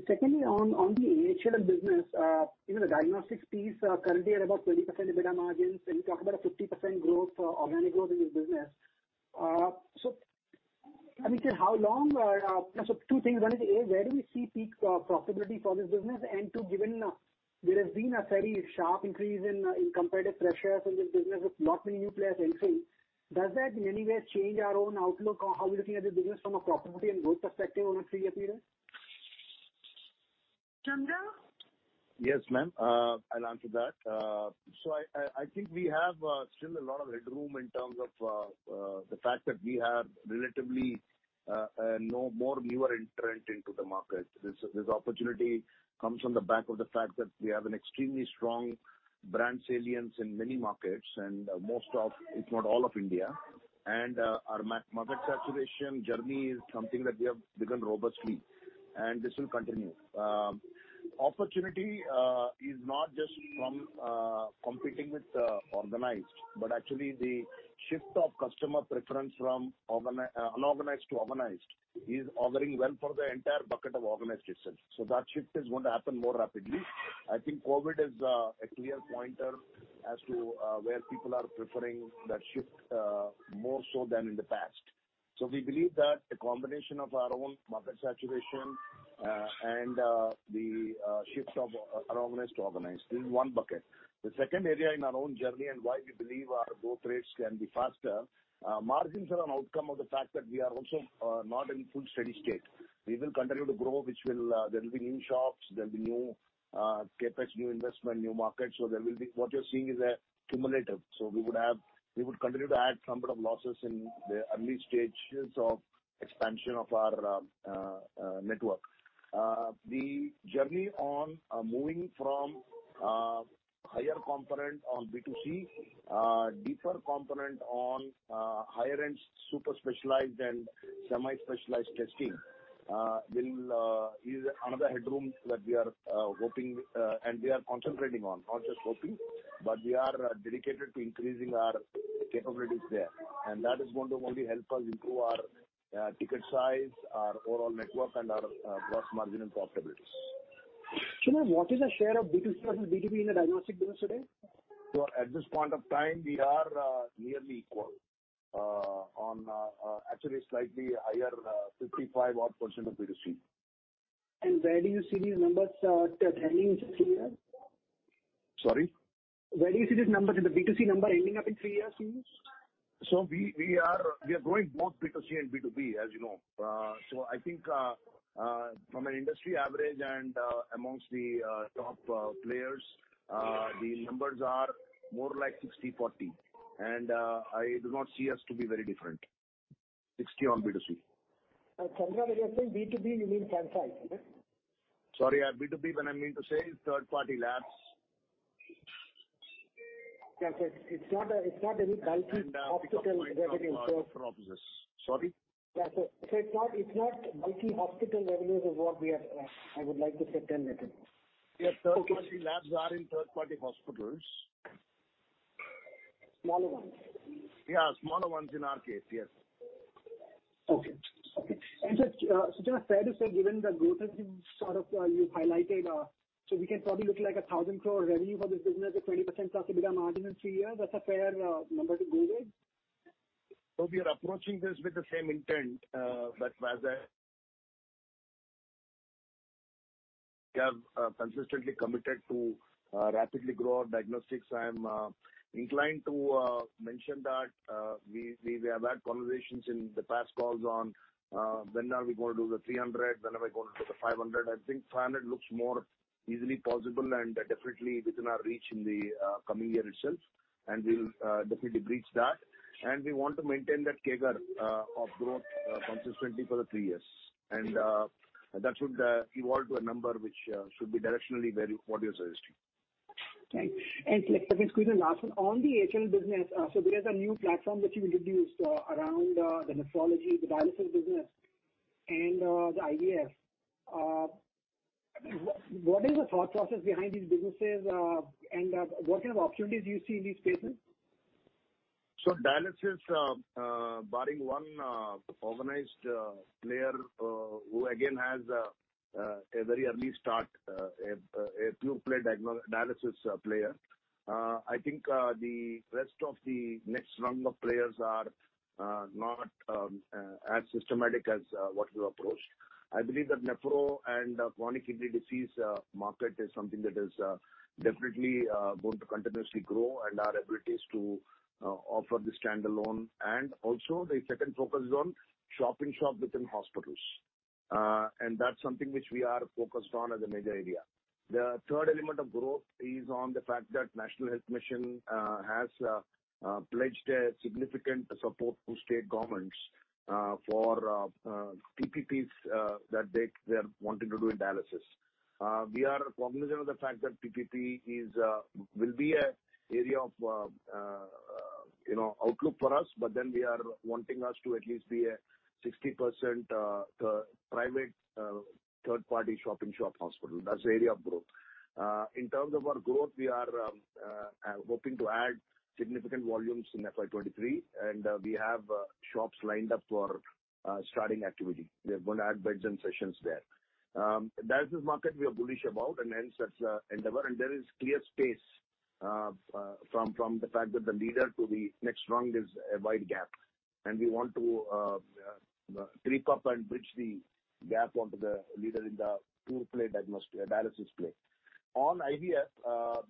Secondly, on the AHLL business, you know the diagnostics piece, currently at about 20% EBITDA margins, and you talk about a 50% growth, organic growth in this business. I mean, two things. One is A, where do we see peak profitability for this business? And two, given there has been a very sharp increase in competitive pressures in this business with lot many new players entering, does that in any way change our own outlook on how we're looking at this business from a profitability and growth perspective on a three-year period? Chandra? Yes, ma'am. I'll answer that. I think we have still a lot of headroom in terms of the fact that we have relatively no more newer entrant into the market. This opportunity comes on the back of the fact that we have an extremely strong brand salience in many markets, and most of, if not all of India. Our market saturation journey is something that we have begun robustly, and this will continue. Opportunity is not just from competing with organized, but actually the shift of customer preference from unorganized to organized is auguring well for the entire bucket of organized itself. That shift is going to happen more rapidly. I think COVID is a clear pointer as to where people are preferring that shift more so than in the past. We believe that a combination of our own market saturation and the shift of unorganized to organized in one bucket. The second area in our own journey and why we believe our growth rates can be faster, margins are an outcome of the fact that we are also not in full steady state. We will continue to grow, there'll be new shops, new CapEx, new investment, new markets. There will be. What you're seeing is a cumulative. We would continue to add some bit of losses in the early stages of expansion of our network. The journey on moving from higher component on B2C, deeper component on higher end, super specialized and semi-specialized testing is another headroom that we are hoping and we are concentrating on, not just hoping. We are dedicated to increasing our capabilities there. That is going to only help us improve our ticket size, our overall network and our gross margin and profitability. Now what is the share of B2C versus B2B in the diagnostic business today? At this point of time, we are nearly equal on, actually slightly higher, 55-odd% of B2C. Where do you see these numbers trending in three years? Sorry? Where do you see these numbers, the B2C number ending up in three years from now? We are growing both B2C and B2B, as you know. I think from an industry average and amongst the top players, the numbers are more like 60/40. I do not see us to be very different. 60 on B2C. Chandra, when you are saying B2B, you mean franchise, right? Sorry, B2B when I mean to say third-party labs. Yes. It's not any multi-hospital revenue. A pickup point from our core offices. Sorry? Yeah. It's not multi-hospital revenues is what we are. I would like to say term it as. Yes. Okay. Third-party labs are in third-party hospitals. Smaller ones. Yeah, smaller ones in our case. Yes. Okay. Just fair to say, given the growth rates you sort of you've highlighted, we can probably look like 1,000 crore revenue for this business at 20%+ EBITDA margin in three years. That's a fair number to go with? We are approaching this with the same intent, but as I have consistently committed to, rapidly grow our diagnostics, I am inclined to mention that we have had conversations in the past calls on when are we going to do the 300, when are we going to do the 500. I think 500 looks more easily possible and definitely within our reach in the coming year itself. We'll definitely breach that. We want to maintain that CAGR of growth consistently for the three years. That should evolve to a number which should be directionally very what you're suggesting. Right. Second question, last one. On the AHLL business, so there's a new platform which you introduced around the nephrology, the dialysis business and the IVF. What is the thought process behind these businesses, and what kind of opportunities do you see in these spaces? Dialysis, barring one organized player who again has a very early start, a pure play dialysis player, I think the rest of the next rung of players are not as systematic as what we approached. I believe that nephro and chronic kidney disease market is something that is definitely going to continuously grow and our abilities to offer the standalone. The second focus is on shop-in-shop within hospitals. That's something which we are focused on as a major area. The third element of growth is on the fact that National Health Mission has pledged a significant support to state governments for PPPs that they are wanting to do in dialysis. We are cognizant of the fact that PPP will be an area of you know outlook for us, but we are wanting to at least be a 60% private third-party shop-in-shop hospital. That's the area of growth. In terms of our growth, we are hoping to add significant volumes in FY 2023, and we have shops lined up for starting activity. We are going to add beds and sessions there. Dialysis market we are bullish about and hence that's an endeavor. There is clear space from the fact that the leader to the next rung is a wide gap, and we want to creep up and bridge the gap onto the leader in the dialysis play. On IVF,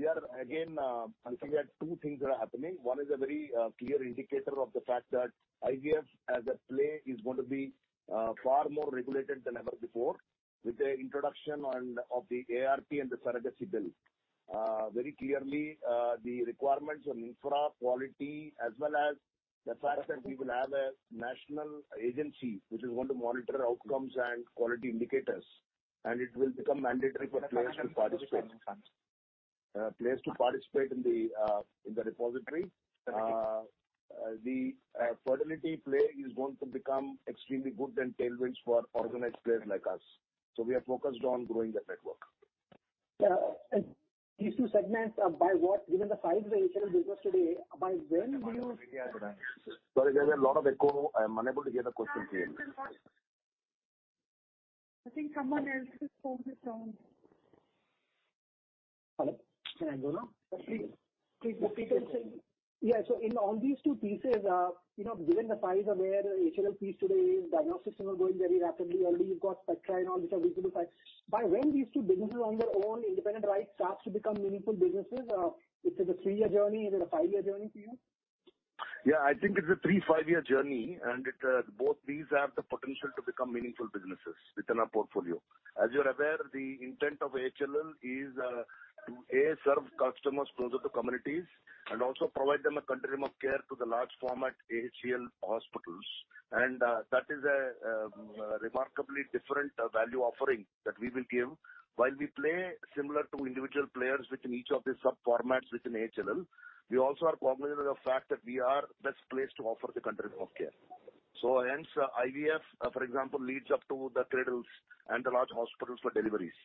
I think we have two things that are happening. One is a very clear indicator of the fact that IVF as a play is going to be far more regulated than ever before with the introduction of the ART and the Surrogacy Bill. Very clearly, the requirements on infra quality as well as the fact that we will have a national agency which is going to monitor outcomes and quality indicators, and it will become mandatory for players to participate in the repository. The fertility play is going to become extremely good and tailwinds for organized players like us. We are focused on growing that network. Yeah. These two segments are by what given the size of AHLL business today, by when do you- Sorry, there's a lot of echo. I'm unable to hear the question clearly. I think someone else's phone is on. Hello. Can I go now? Please go ahead. Yeah. In all these two pieces, you know, given the size of where AHLL piece today is, diagnostics is growing very rapidly. Already you've got Spectra and all these are visible. By when these two businesses on their own independent right starts to become meaningful businesses? Is it a three-year journey? Is it a five-year journey for you? Yeah, I think it's a three to five-year journey, and it both these have the potential to become meaningful businesses within our portfolio. As you're aware, the intent of AHLL is to serve customers closer to communities and also provide them a continuum of care to the large format AHEL Hospitals. That is a remarkably different value offering that we will give while we play similar to individual players within each of the sub formats within AHLL. We also are cognizant of the fact that we are best placed to offer the continuum of care. Hence, IVF, for example, leads up to the Cradles and the large hospitals for deliveries.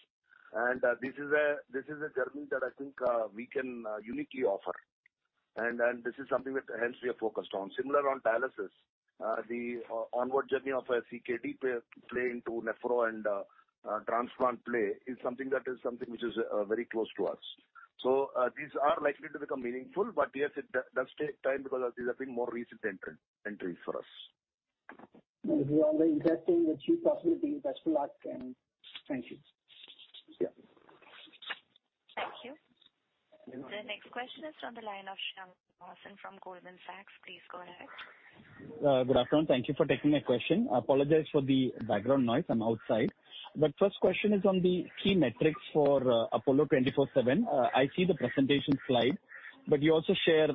This is a journey that I think we can uniquely offer. This is something that hence we are focused on. Similar on dialysis. The onward journey of a CKD play into nephro and transplant play is something which is very close to us. These are likely to become meaningful. Yes, it does take time because these have been more recent entries for us. If you are very interested in the cheap possibility, best of luck and thank you. Yeah. Thank you. The next question is on the line of Shyam Srinivasan from Goldman Sachs. Please go ahead. Good afternoon. Thank you for taking my question. Apologize for the background noise. I'm outside. First question is on the key metrics for Apollo 24|7. I see the presentation slide, but you also share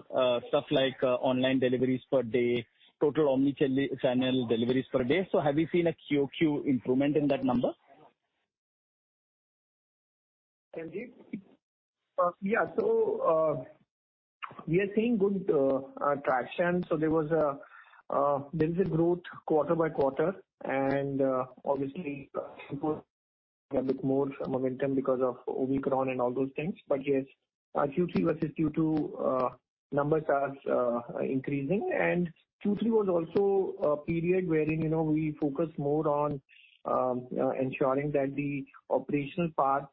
stuff like online deliveries per day, total omnichannel deliveries per day. So have you seen a QoQ improvement in that number? Sanjiv? Yeah. We are seeing good traction. There's a growth quarter-by-quarter. Obviously Q4 a bit more momentum because of Omicron and all those things. Yes, Q3 versus Q2, numbers are increasing. Q3 was also a period wherein, you know, we focus more on ensuring that the operational part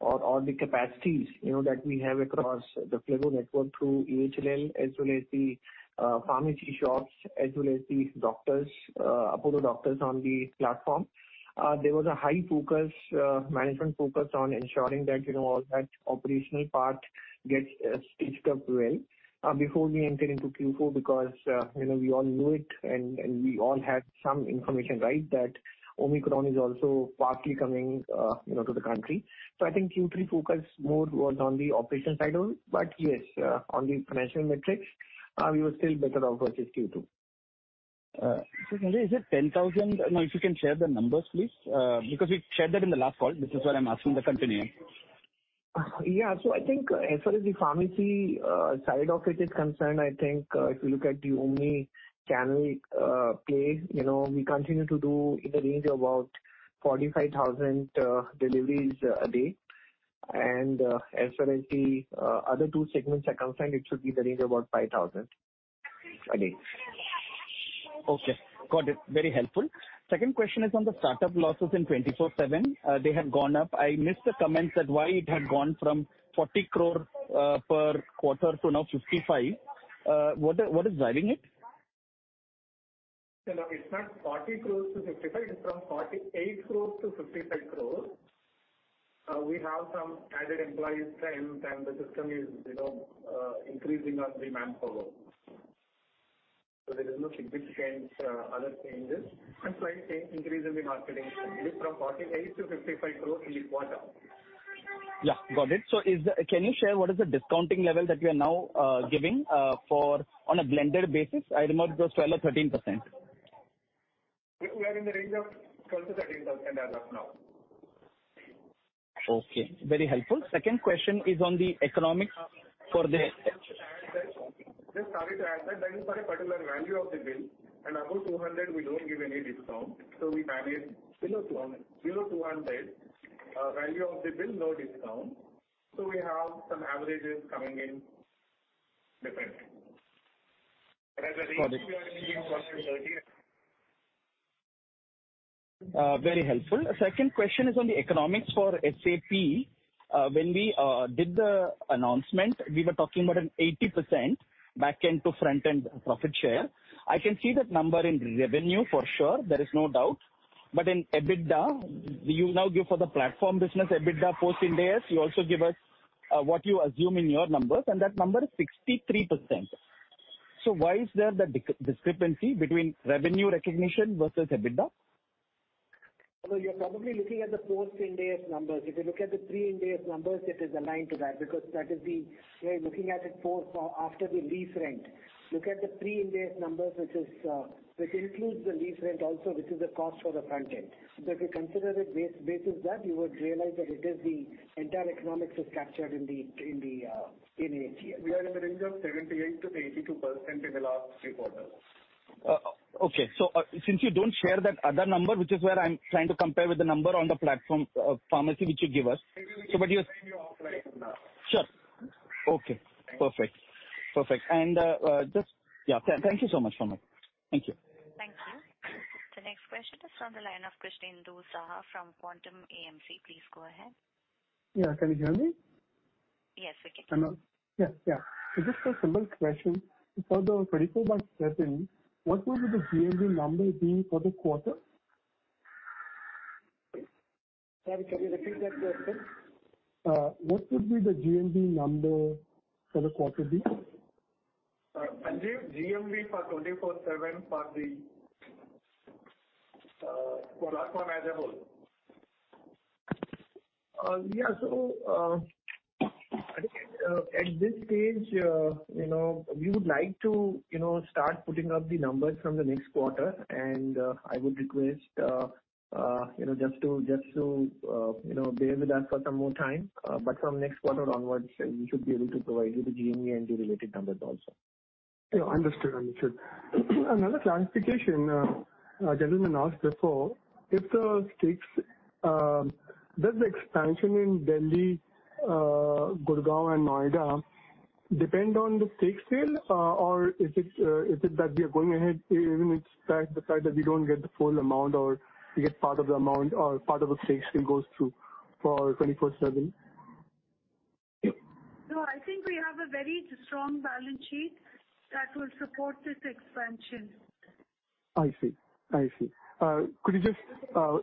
or the capacities, you know, that we have across the phlebo network through AHLL as well as the pharmacy shops, as well as the doctors, Apollo doctors on the platform. There was a high focus, management focus on ensuring that, you know, all that operational part gets stitched up well before we enter into Q4, because, you know, we all knew it and we all had some information, right, that Omicron is also partly coming, you know, to the country. I think Q3 focus more was on the operations side. Yes, on the financial metrics, we were still better off versus Q2. Sanjiv, is it 10,000? Now, if you can share the numbers, please, because we've shared that in the last call. This is why I'm asking to continue. I think as far as the pharmacy side of it is concerned, I think if you look at the omnichannel play, you know, we continue to do in the range of about 45,000 deliveries a day. As far as the other two segments are concerned, it should be the range of about 5,000 a day. Okay. Got it. Very helpful. Second question is on the start-up losses in 24|7. They had gone up. I missed the comments on why it had gone from 40 crore per quarter to now 55 crore. What is driving it? No, it's not 40 crore-55 crore. It's from 48 crore-55 crore. We have some added employees and the system is, you know, increasing on the manpower. There is no significant other changes. Slight increase in the marketing spend. It is from 48-55 crore in the quarter. Yeah. Got it. Can you share what is the discounting level that you are now giving for on a blended basis? I remember it was 12% or 13%. We are in the range of 12%-13% as of now. Okay. Very helpful. Second question is on the economics for this. Just sorry to add that is for a particular value of the bill and above 200 we don't give any discount. We manage below 200 value of the bill, no discount. We have some averages coming in different. As a range we are between 12%-13%. Very helpful. Second question is on the economics for SAP. When we did the announcement, we were talking about an 80% back-end to front-end profit share. I can see that number in revenue for sure, there is no doubt. But in EBITDA, you now give for the platform business EBITDA post Ind AS, you also give us what you assume in your numbers, and that number is 63%. Why is there that discrepancy between revenue recognition versus EBITDA? You're probably looking at the post Ind AS numbers. If you look at the pre Ind AS numbers, it is aligned to that because that is. We're looking at it post or after the lease rent. Look at the pre Ind AS numbers, which includes the lease rent also, which is the cost for the front-end. If you consider it basis that, you would realize that it is the entire economics is captured in the [pre Ind AS]. We are in the range of 78%-82% in the last three quarters. Since you don't share that other number, which is where I'm trying to compare with the number on the platform, pharmacy which you give us. But you- Maybe we can send you offline. Sure. Okay. Perfect. Yeah. Thank you so much, Shyam. Thank you. Thank you. The next question is from the line of Krishnendu Saha from Quantum AMC. Please go ahead. Yeah. Can you hear me? Yes, we can. Hello. Yeah, yeah. It's just a simple question. For the 24|7, what will be the GMV number for the quarter? Sorry, can you repeat that question? What would be the GMV number for the quarter? Sanjiv, GMV for 24|7 for Apollo as a whole? I think, at this stage, you know, we would like to, you know, start putting up the numbers from the next quarter. I would request you know, just to, you know, bear with us for some more time. From next quarter onwards, we should be able to provide you the GMV and the related numbers also. Yeah. Understood. Another clarification, a gentleman asked before if the stakes does the expansion in Delhi, Gurgaon and Noida depend on the stake sale? Or is it that we are going ahead even if the fact that we don't get the full amount or we get part of the amount or part of the stake still goes through for Apollo 24|7? No, I think we have a very strong balance sheet that will support this expansion. I see. Could you just, Yeah.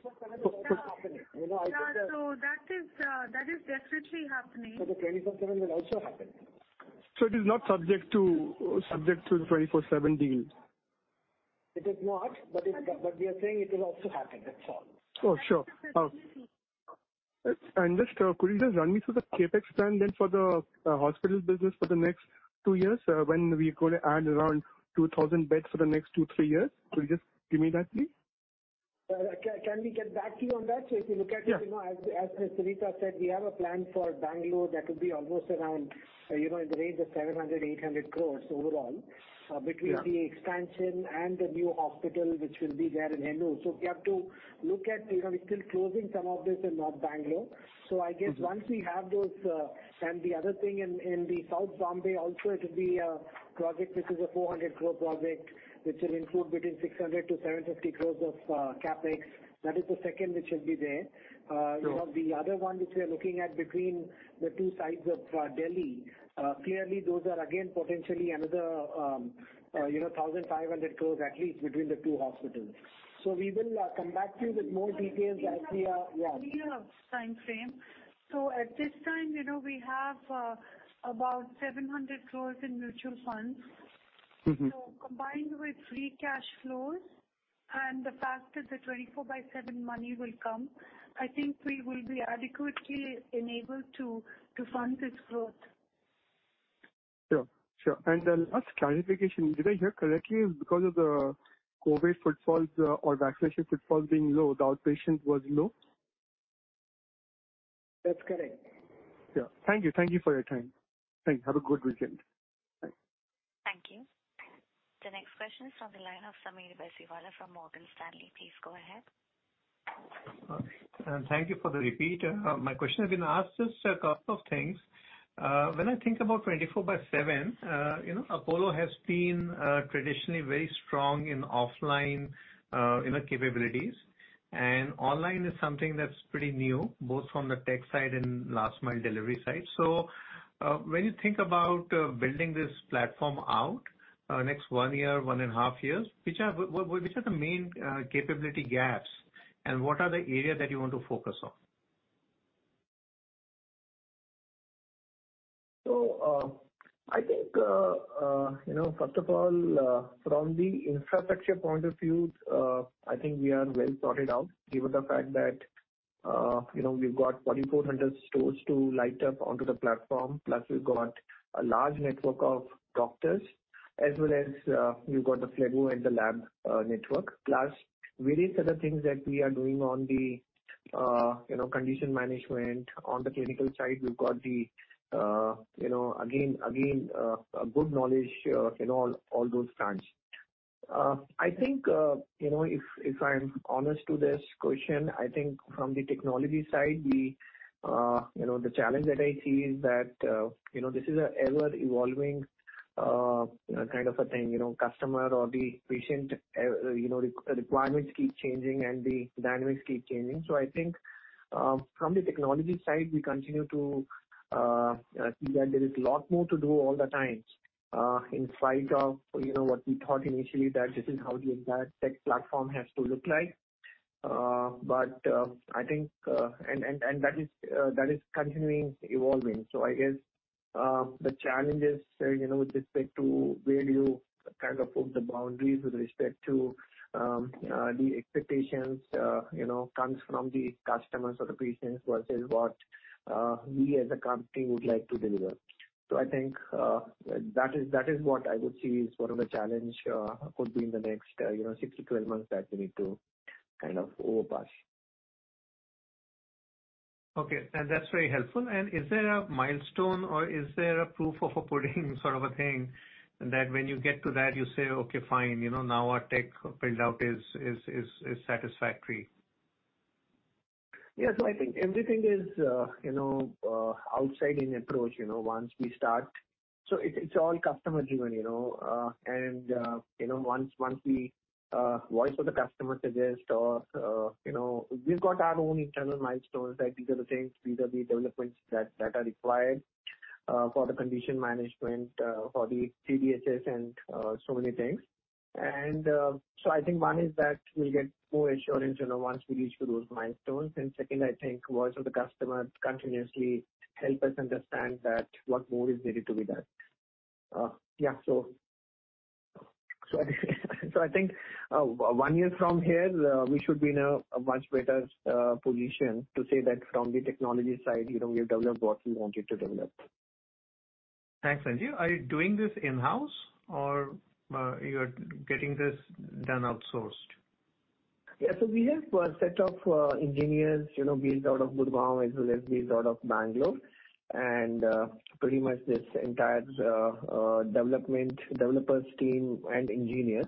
That is definitely happening. The Apollo 24|7 will also happen. It is not subject to the 24|7 deal. It is not. We are saying it will also happen. That's all. Oh, sure. Just could you just run me through the CapEx plan then for the hospital business for the next two years, when we're gonna add around 2,000 beds for the next two to three years? Could you just give me that, please? Can we get back to you on that? If you look at it. Yeah. You know, as Ms. Suneeta said, we have a plan for Bangalore that will be almost around, you know, in the range of 700 crore-800 crore overall. Yeah. between the expansion and the new hospital which will be there in Hennur. We have to look at, you know, we're still closing some of this in North Bangalore. I guess- Mm-hmm. Once we have those. The other thing in South Bombay also, it'll be a project which is a 400 crore project, which will include between 600 crore-700 crore of CapEx. That is the second which will be there. Sure. You know, the other one which we are looking at between the two sides of Delhi, clearly those are again potentially another, you know, 1,500 crore at least between the two hospitals. We will come back to you with more details as we are. We have Yeah. At this time, you know, we have about 700 crore in mutual funds. Mm-hmm. Combined with free cash flows and the fact that the 24|7 money will come, I think we will be adequately enabled to fund this growth. Sure. The last clarification, did I hear correctly because of the COVID footfalls, or vaccination footfalls being low, the outpatient was low? That's correct. Yeah. Thank you. Thank you for your time. Thank you. Have a good weekend. Bye. Thank you. The next question is from the line of Sameer Baisiwala from Morgan Stanley. Please go ahead. Thank you for the repeat. My question has been asked. Just a couple of things. When I think about 24|7, you know, Apollo has been traditionally very strong in offline, you know, capabilities. Online is something that's pretty new, both from the tech side and last mile delivery side. When you think about building this platform out, next one year, 1.5 years, which are the main capability gaps and what are the areas that you want to focus on? I think, you know, first of all, from the infrastructure point of view, I think we are well sorted out given the fact that, you know, we've got 4,400 stores to light up onto the platform, plus we've got a large network of doctors as well as we've got the phlebo and the lab network, plus various other things that we are doing on the, you know, condition management. On the clinical side, we've got the, you know, again, a good knowledge in all those fronts. I think, you know, if I'm honest to this question, I think from the technology side, we, you know, the challenge that I see is that, you know, this is an ever-evolving kind of a thing, you know, customer or the patient, you know, requirements keep changing and the dynamics keep changing. I think, from the technology side, we continue to see that there is a lot more to do all the time, in spite of, you know, what we thought initially that this is how the entire tech platform has to look like. I think and that is continually evolving. I guess, the challenge is, you know, with respect to where you kind of push the boundaries with respect to, the expectations, you know, comes from the customers or the patients versus what, we as a company would like to deliver. I think, that is what I would see is one of the challenge, could be in the next, you know, six to 12 months that we need to kind of overpass. Okay. That's very helpful. Is there a milestone or is there a proof of a pudding sort of a thing that when you get to that you say, "Okay, fine, you know, now our tech build-out is satisfactory? Yeah. I think everything is, you know, outside in approach, you know, once we start. It's all customer-driven, you know. Once we voice of the customer suggest or, you know, we've got our own internal milestones that these are the things, these are the developments that are required for the condition management for the CDSS and so many things. I think one is that we'll get more assurance, you know, once we reach to those milestones. Second, I think voice of the customer continuously help us understand that what more is needed to be done. I think, one year from here, we should be in a much better position to say that from the technology side, you know, we have developed what we wanted to develop. Thanks, Sanjiv. Are you doing this in-house or you're getting this done outsourced? Yeah. We have a set of engineers, you know, based out of Gurgaon, as well as based out of Bangalore. Pretty much this entire development team and engineers,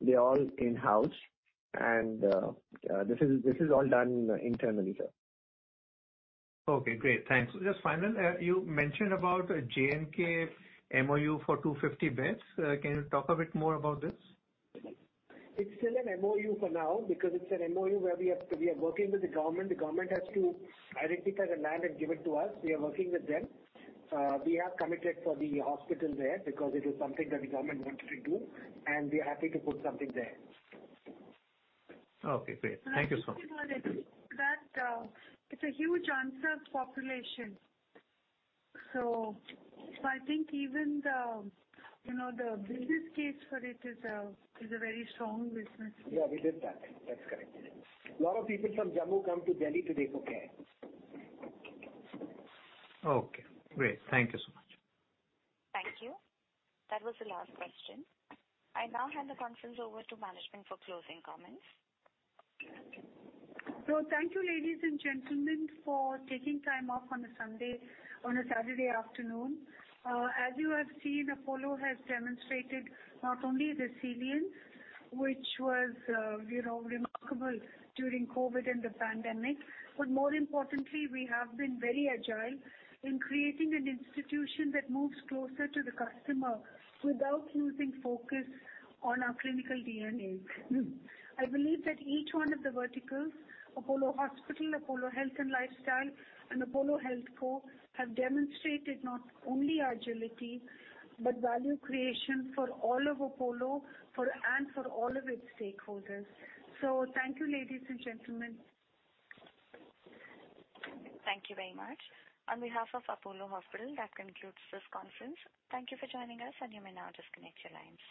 they're all in-house and this is all done internally, sir. Okay, great. Thanks. Just final, you mentioned about J&K MoU for 250 beds. Can you talk a bit more about this? It's still an MoU for now because we are working with the government. The government has to identify the land and give it to us. We are working with them. We are committed for the hospital there because it is something that the government wanted to do, and we are happy to put something there. Okay, great. Thank you so much. That it's a huge underserved population. I think even you know the business case for it is a very strong business. Yeah, we did that. That's correct. A lot of people from Jammu come to Delhi today for care. Okay, great. Thank you so much. Thank you. That was the last question. I now hand the conference over to management for closing comments. Thank you, ladies and gentlemen, for taking time off on a Sunday, on a Saturday afternoon. As you have seen, Apollo has demonstrated not only resilience, which was, you know, remarkable during COVID and the pandemic, but more importantly, we have been very agile in creating an institution that moves closer to the customer without losing focus on our clinical DNA. I believe that each one of the verticals, Apollo Hospitals, Apollo Health and Lifestyle, and Apollo HealthCo, have demonstrated not only agility, but value creation for all of Apollo and for all of its stakeholders. Thank you, ladies and gentlemen. Thank you very much. On behalf of Apollo Hospitals, that concludes this conference. Thank you for joining us, and you may now disconnect your lines.